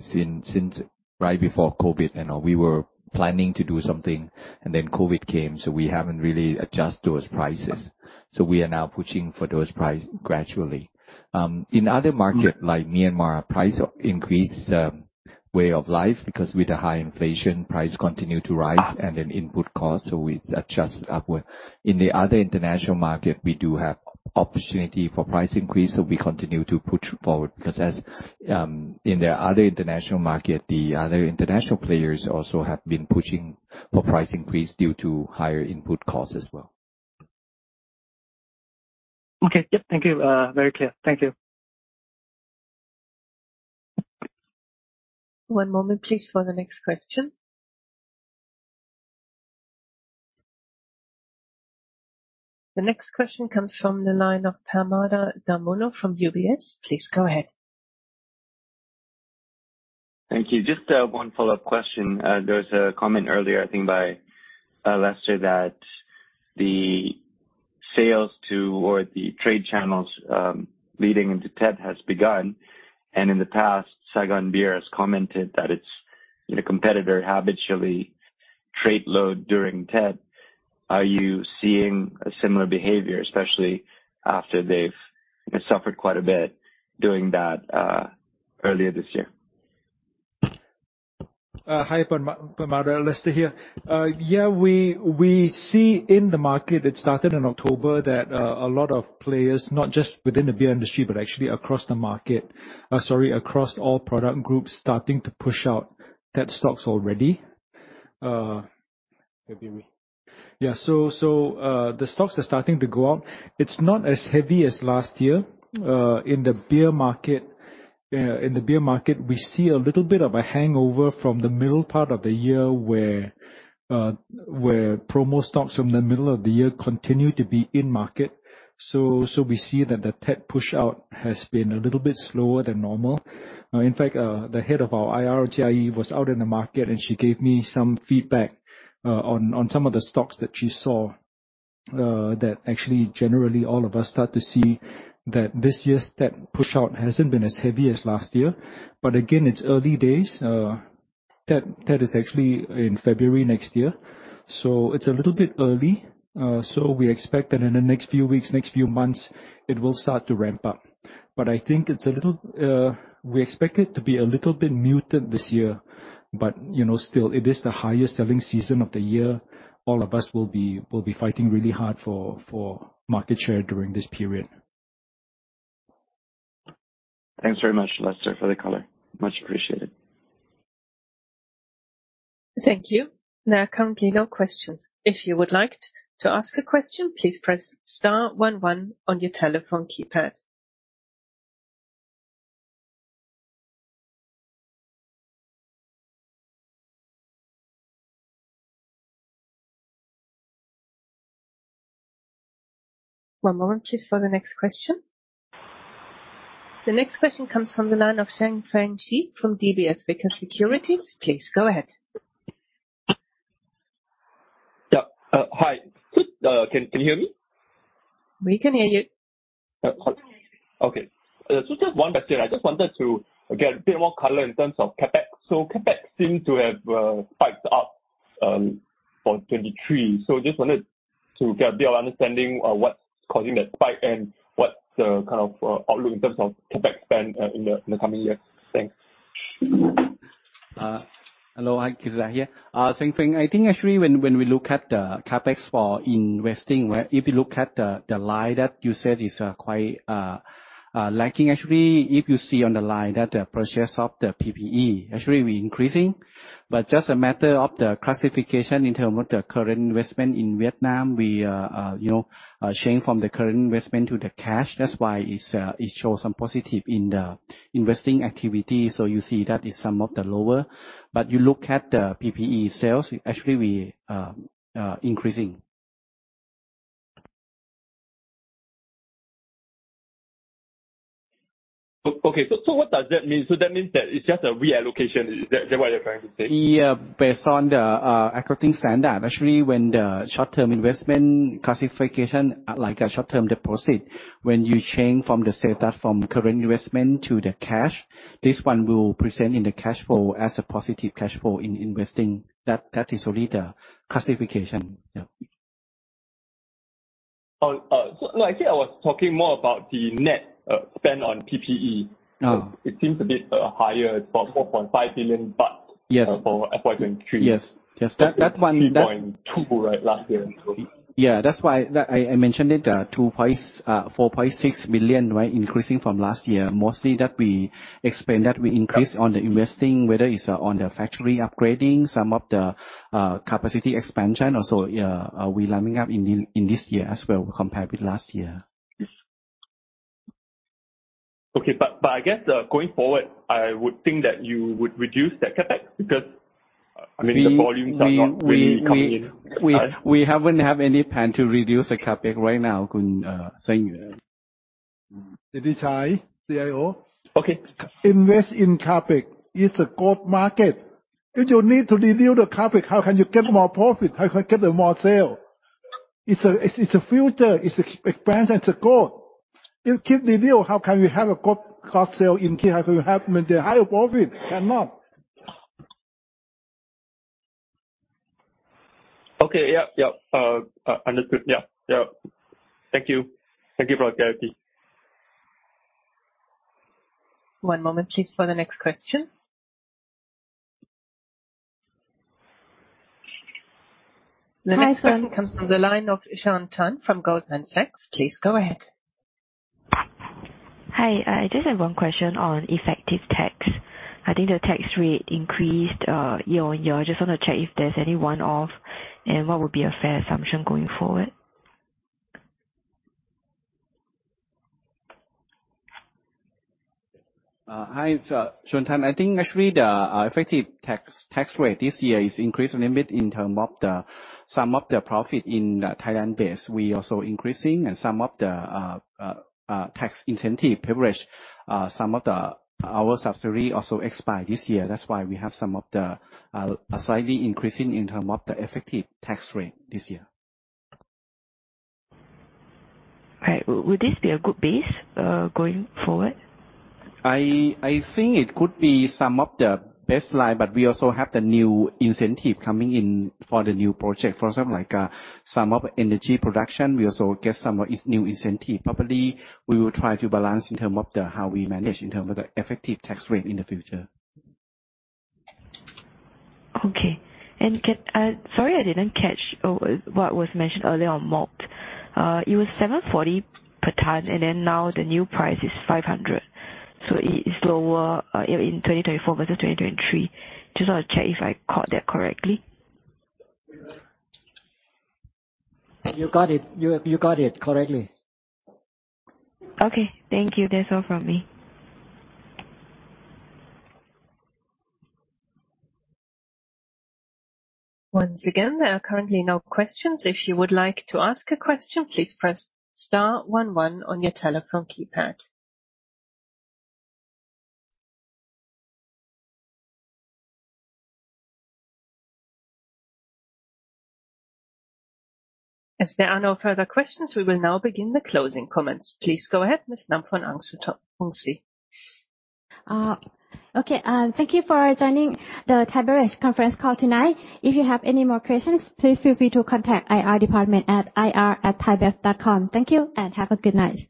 since right before COVID. And we were planning to do something, and then COVID came, so we haven't really adjusted those prices. So we are now pushing for those price gradually. In other market- Mm. like Myanmar, price increase is a way of life, because with the high inflation, price continue to rise and then input cost, so we adjust upward. In the other international market, we do have-... opportunity for price increase, so we continue to push forward. Because as, in the other international market, the other international players also have been pushing for price increase due to higher input costs as well. Okay. Yep, thank you. Very clear. Thank you. One moment, please, for the next question. The next question comes from the line of Permada Darmono from UBS. Please go ahead. Thank you. Just one follow-up question. There was a comment earlier, I think by Lester, that the sales to or the trade channels leading into Tet has begun, and in the past, Saigon Beer has commented that it's, you know, competitor habitually trade load during Tet. Are you seeing a similar behavior, especially after they've suffered quite a bit during that earlier this year? Hi, Permada, Lester here. Yeah, we, we see in the market, it started in October, that a lot of players, not just within the beer industry, but actually across the market, sorry, across all product groups, starting to push out Tet stocks already. Maybe we... Yeah. So, so the stocks are starting to go up. It's not as heavy as last year. In the beer market, in the beer market, we see a little bit of a hangover from the middle part of the year, where, where promo stocks from the middle of the year continue to be in market. So, so we see that the Tet push out has been a little bit slower than normal. In fact, the head of our IR, Gie, was out in the market, and she gave me some feedback on some of the stocks that she saw that actually, generally, all of us start to see that this year's Tet push out hasn't been as heavy as last year. But again, it's early days. Tet is actually in February next year, so it's a little bit early. So we expect that in the next few weeks, next few months, it will start to ramp up. But I think it's a little, we expect it to be a little bit muted this year, but, you know, still, it is the highest selling season of the year. All of us will be fighting really hard for market share during this period. Thanks very much, Lester, for the color. Much appreciated. Thank you. Now coming to your questions. If you would like to ask a question, please press star one one on your telephone keypad. One moment, please, for the next question. The next question comes from the line of Sheng Fang Ji from DBS Vickers Securities. Please go ahead. Yeah, hi. Can you hear me? We can hear you. Okay. So just one question. I just wanted to get a bit more color in terms of CapEx. So CapEx seems to have spiked up for 2023. So just wanted to get a bit of understanding of what's causing that spike and what's the kind of outlook in terms of CapEx spend in the coming years? Thanks. Hello, hi, Khun Chai here. Same thing. I think actually when we look at the CapEx for investing, where if you look at the line that you said is quite lacking, actually, if you see on the line that the purchase of the PPE, actually we're increasing, but just a matter of the classification in terms of the current investment in Vietnam, we, you know, change from the current investment to the cash. That's why it's, it shows some positive in the investing activity, so you see that is some of the lower. But you look at the PPE sales, actually, we increasing. Okay, so what does that mean? So that means that it's just a reallocation. Is that what you're trying to say? Yeah. Based on the accounting standard, actually, when the short-term investment classification, like a short-term deposit, when you change from the status from current investment to the cash, this one will present in the cash flow as a positive cash flow in investing. That, that is only the classification. Yeah. So, actually, I was talking more about the net spend on PPE. Oh. It seems a bit higher, about 4.5 billion baht- Yes. - for FY 2023. Yes. Yes, that, that one- 3.2, right, last year. Yeah. That's why I mentioned it, 2.46 million, right, increasing from last year. Mostly that we expand, that we increase- Yeah. On the investing, whether it's on the factory upgrading, some of the capacity expansion also, we're lining up in this year as well, compared with last year. Yes. Okay, but I guess, going forward, I would think that you would reduce the CapEx because, I mean, the volumes are not really coming in. We haven't have any plan to reduce the CapEx right now, Khun, Sheng. This is Chai, CFO. Okay. Invest in CapEx. It's a good market. If you need to review the CapEx, how can you get more profit? How can I get the more sale? It's a, it's a future, it's expansion, it's a goal. You keep review, how can you have a good cost sale in here? How can you have the higher profit? Cannot. Okay, yeah, yeah. Understood. Yeah, yeah. Thank you. Thank you for your clarity. One moment, please, for the next question.... The next one comes from the line of Joan Tan from Goldman Sachs. Please go ahead. Hi, I just have one question on effective tax. I think the tax rate increased year-on-year. I just want to check if there's any one-off and what would be a fair assumption going forward? Hi, it's Sean Tan. I think actually the effective tax rate this year is increased a little bit in term of the some of the profit in the Thailand base. We also increasing and some of the tax incentive privilege some of our subsidiary also expired this year. That's why we have some of the slightly increasing in term of the effective tax rate this year. Right. Would this be a good base, going forward? I think it could be some of the baseline, but we also have the new incentive coming in for the new project. For example, like, some of energy production, we also get some of its new incentive. Probably, we will try to balance in term of the, how we manage in term of the effective tax rate in the future. Okay. And sorry, I didn't catch what was mentioned earlier on malt. It was 740 EUR per ton, and then now the new price is 500 EUR per ton, so it's lower in 2024 versus 2023. Just want to check if I caught that correctly. You got it. You got it correctly. Okay. Thank you. That's all from me. Once again, there are currently no questions. If you would like to ask a question, please press star one one on your telephone keypad. As there are no further questions, we will now begin the closing comments. Please go ahead, Ms. Namfon Aungsutornrungsi. Okay, thank you for joining the ThaiBev conference call tonight. If you have any more questions, please feel free to contact IR department at ir@thaibev.com. Thank you, and have a good night.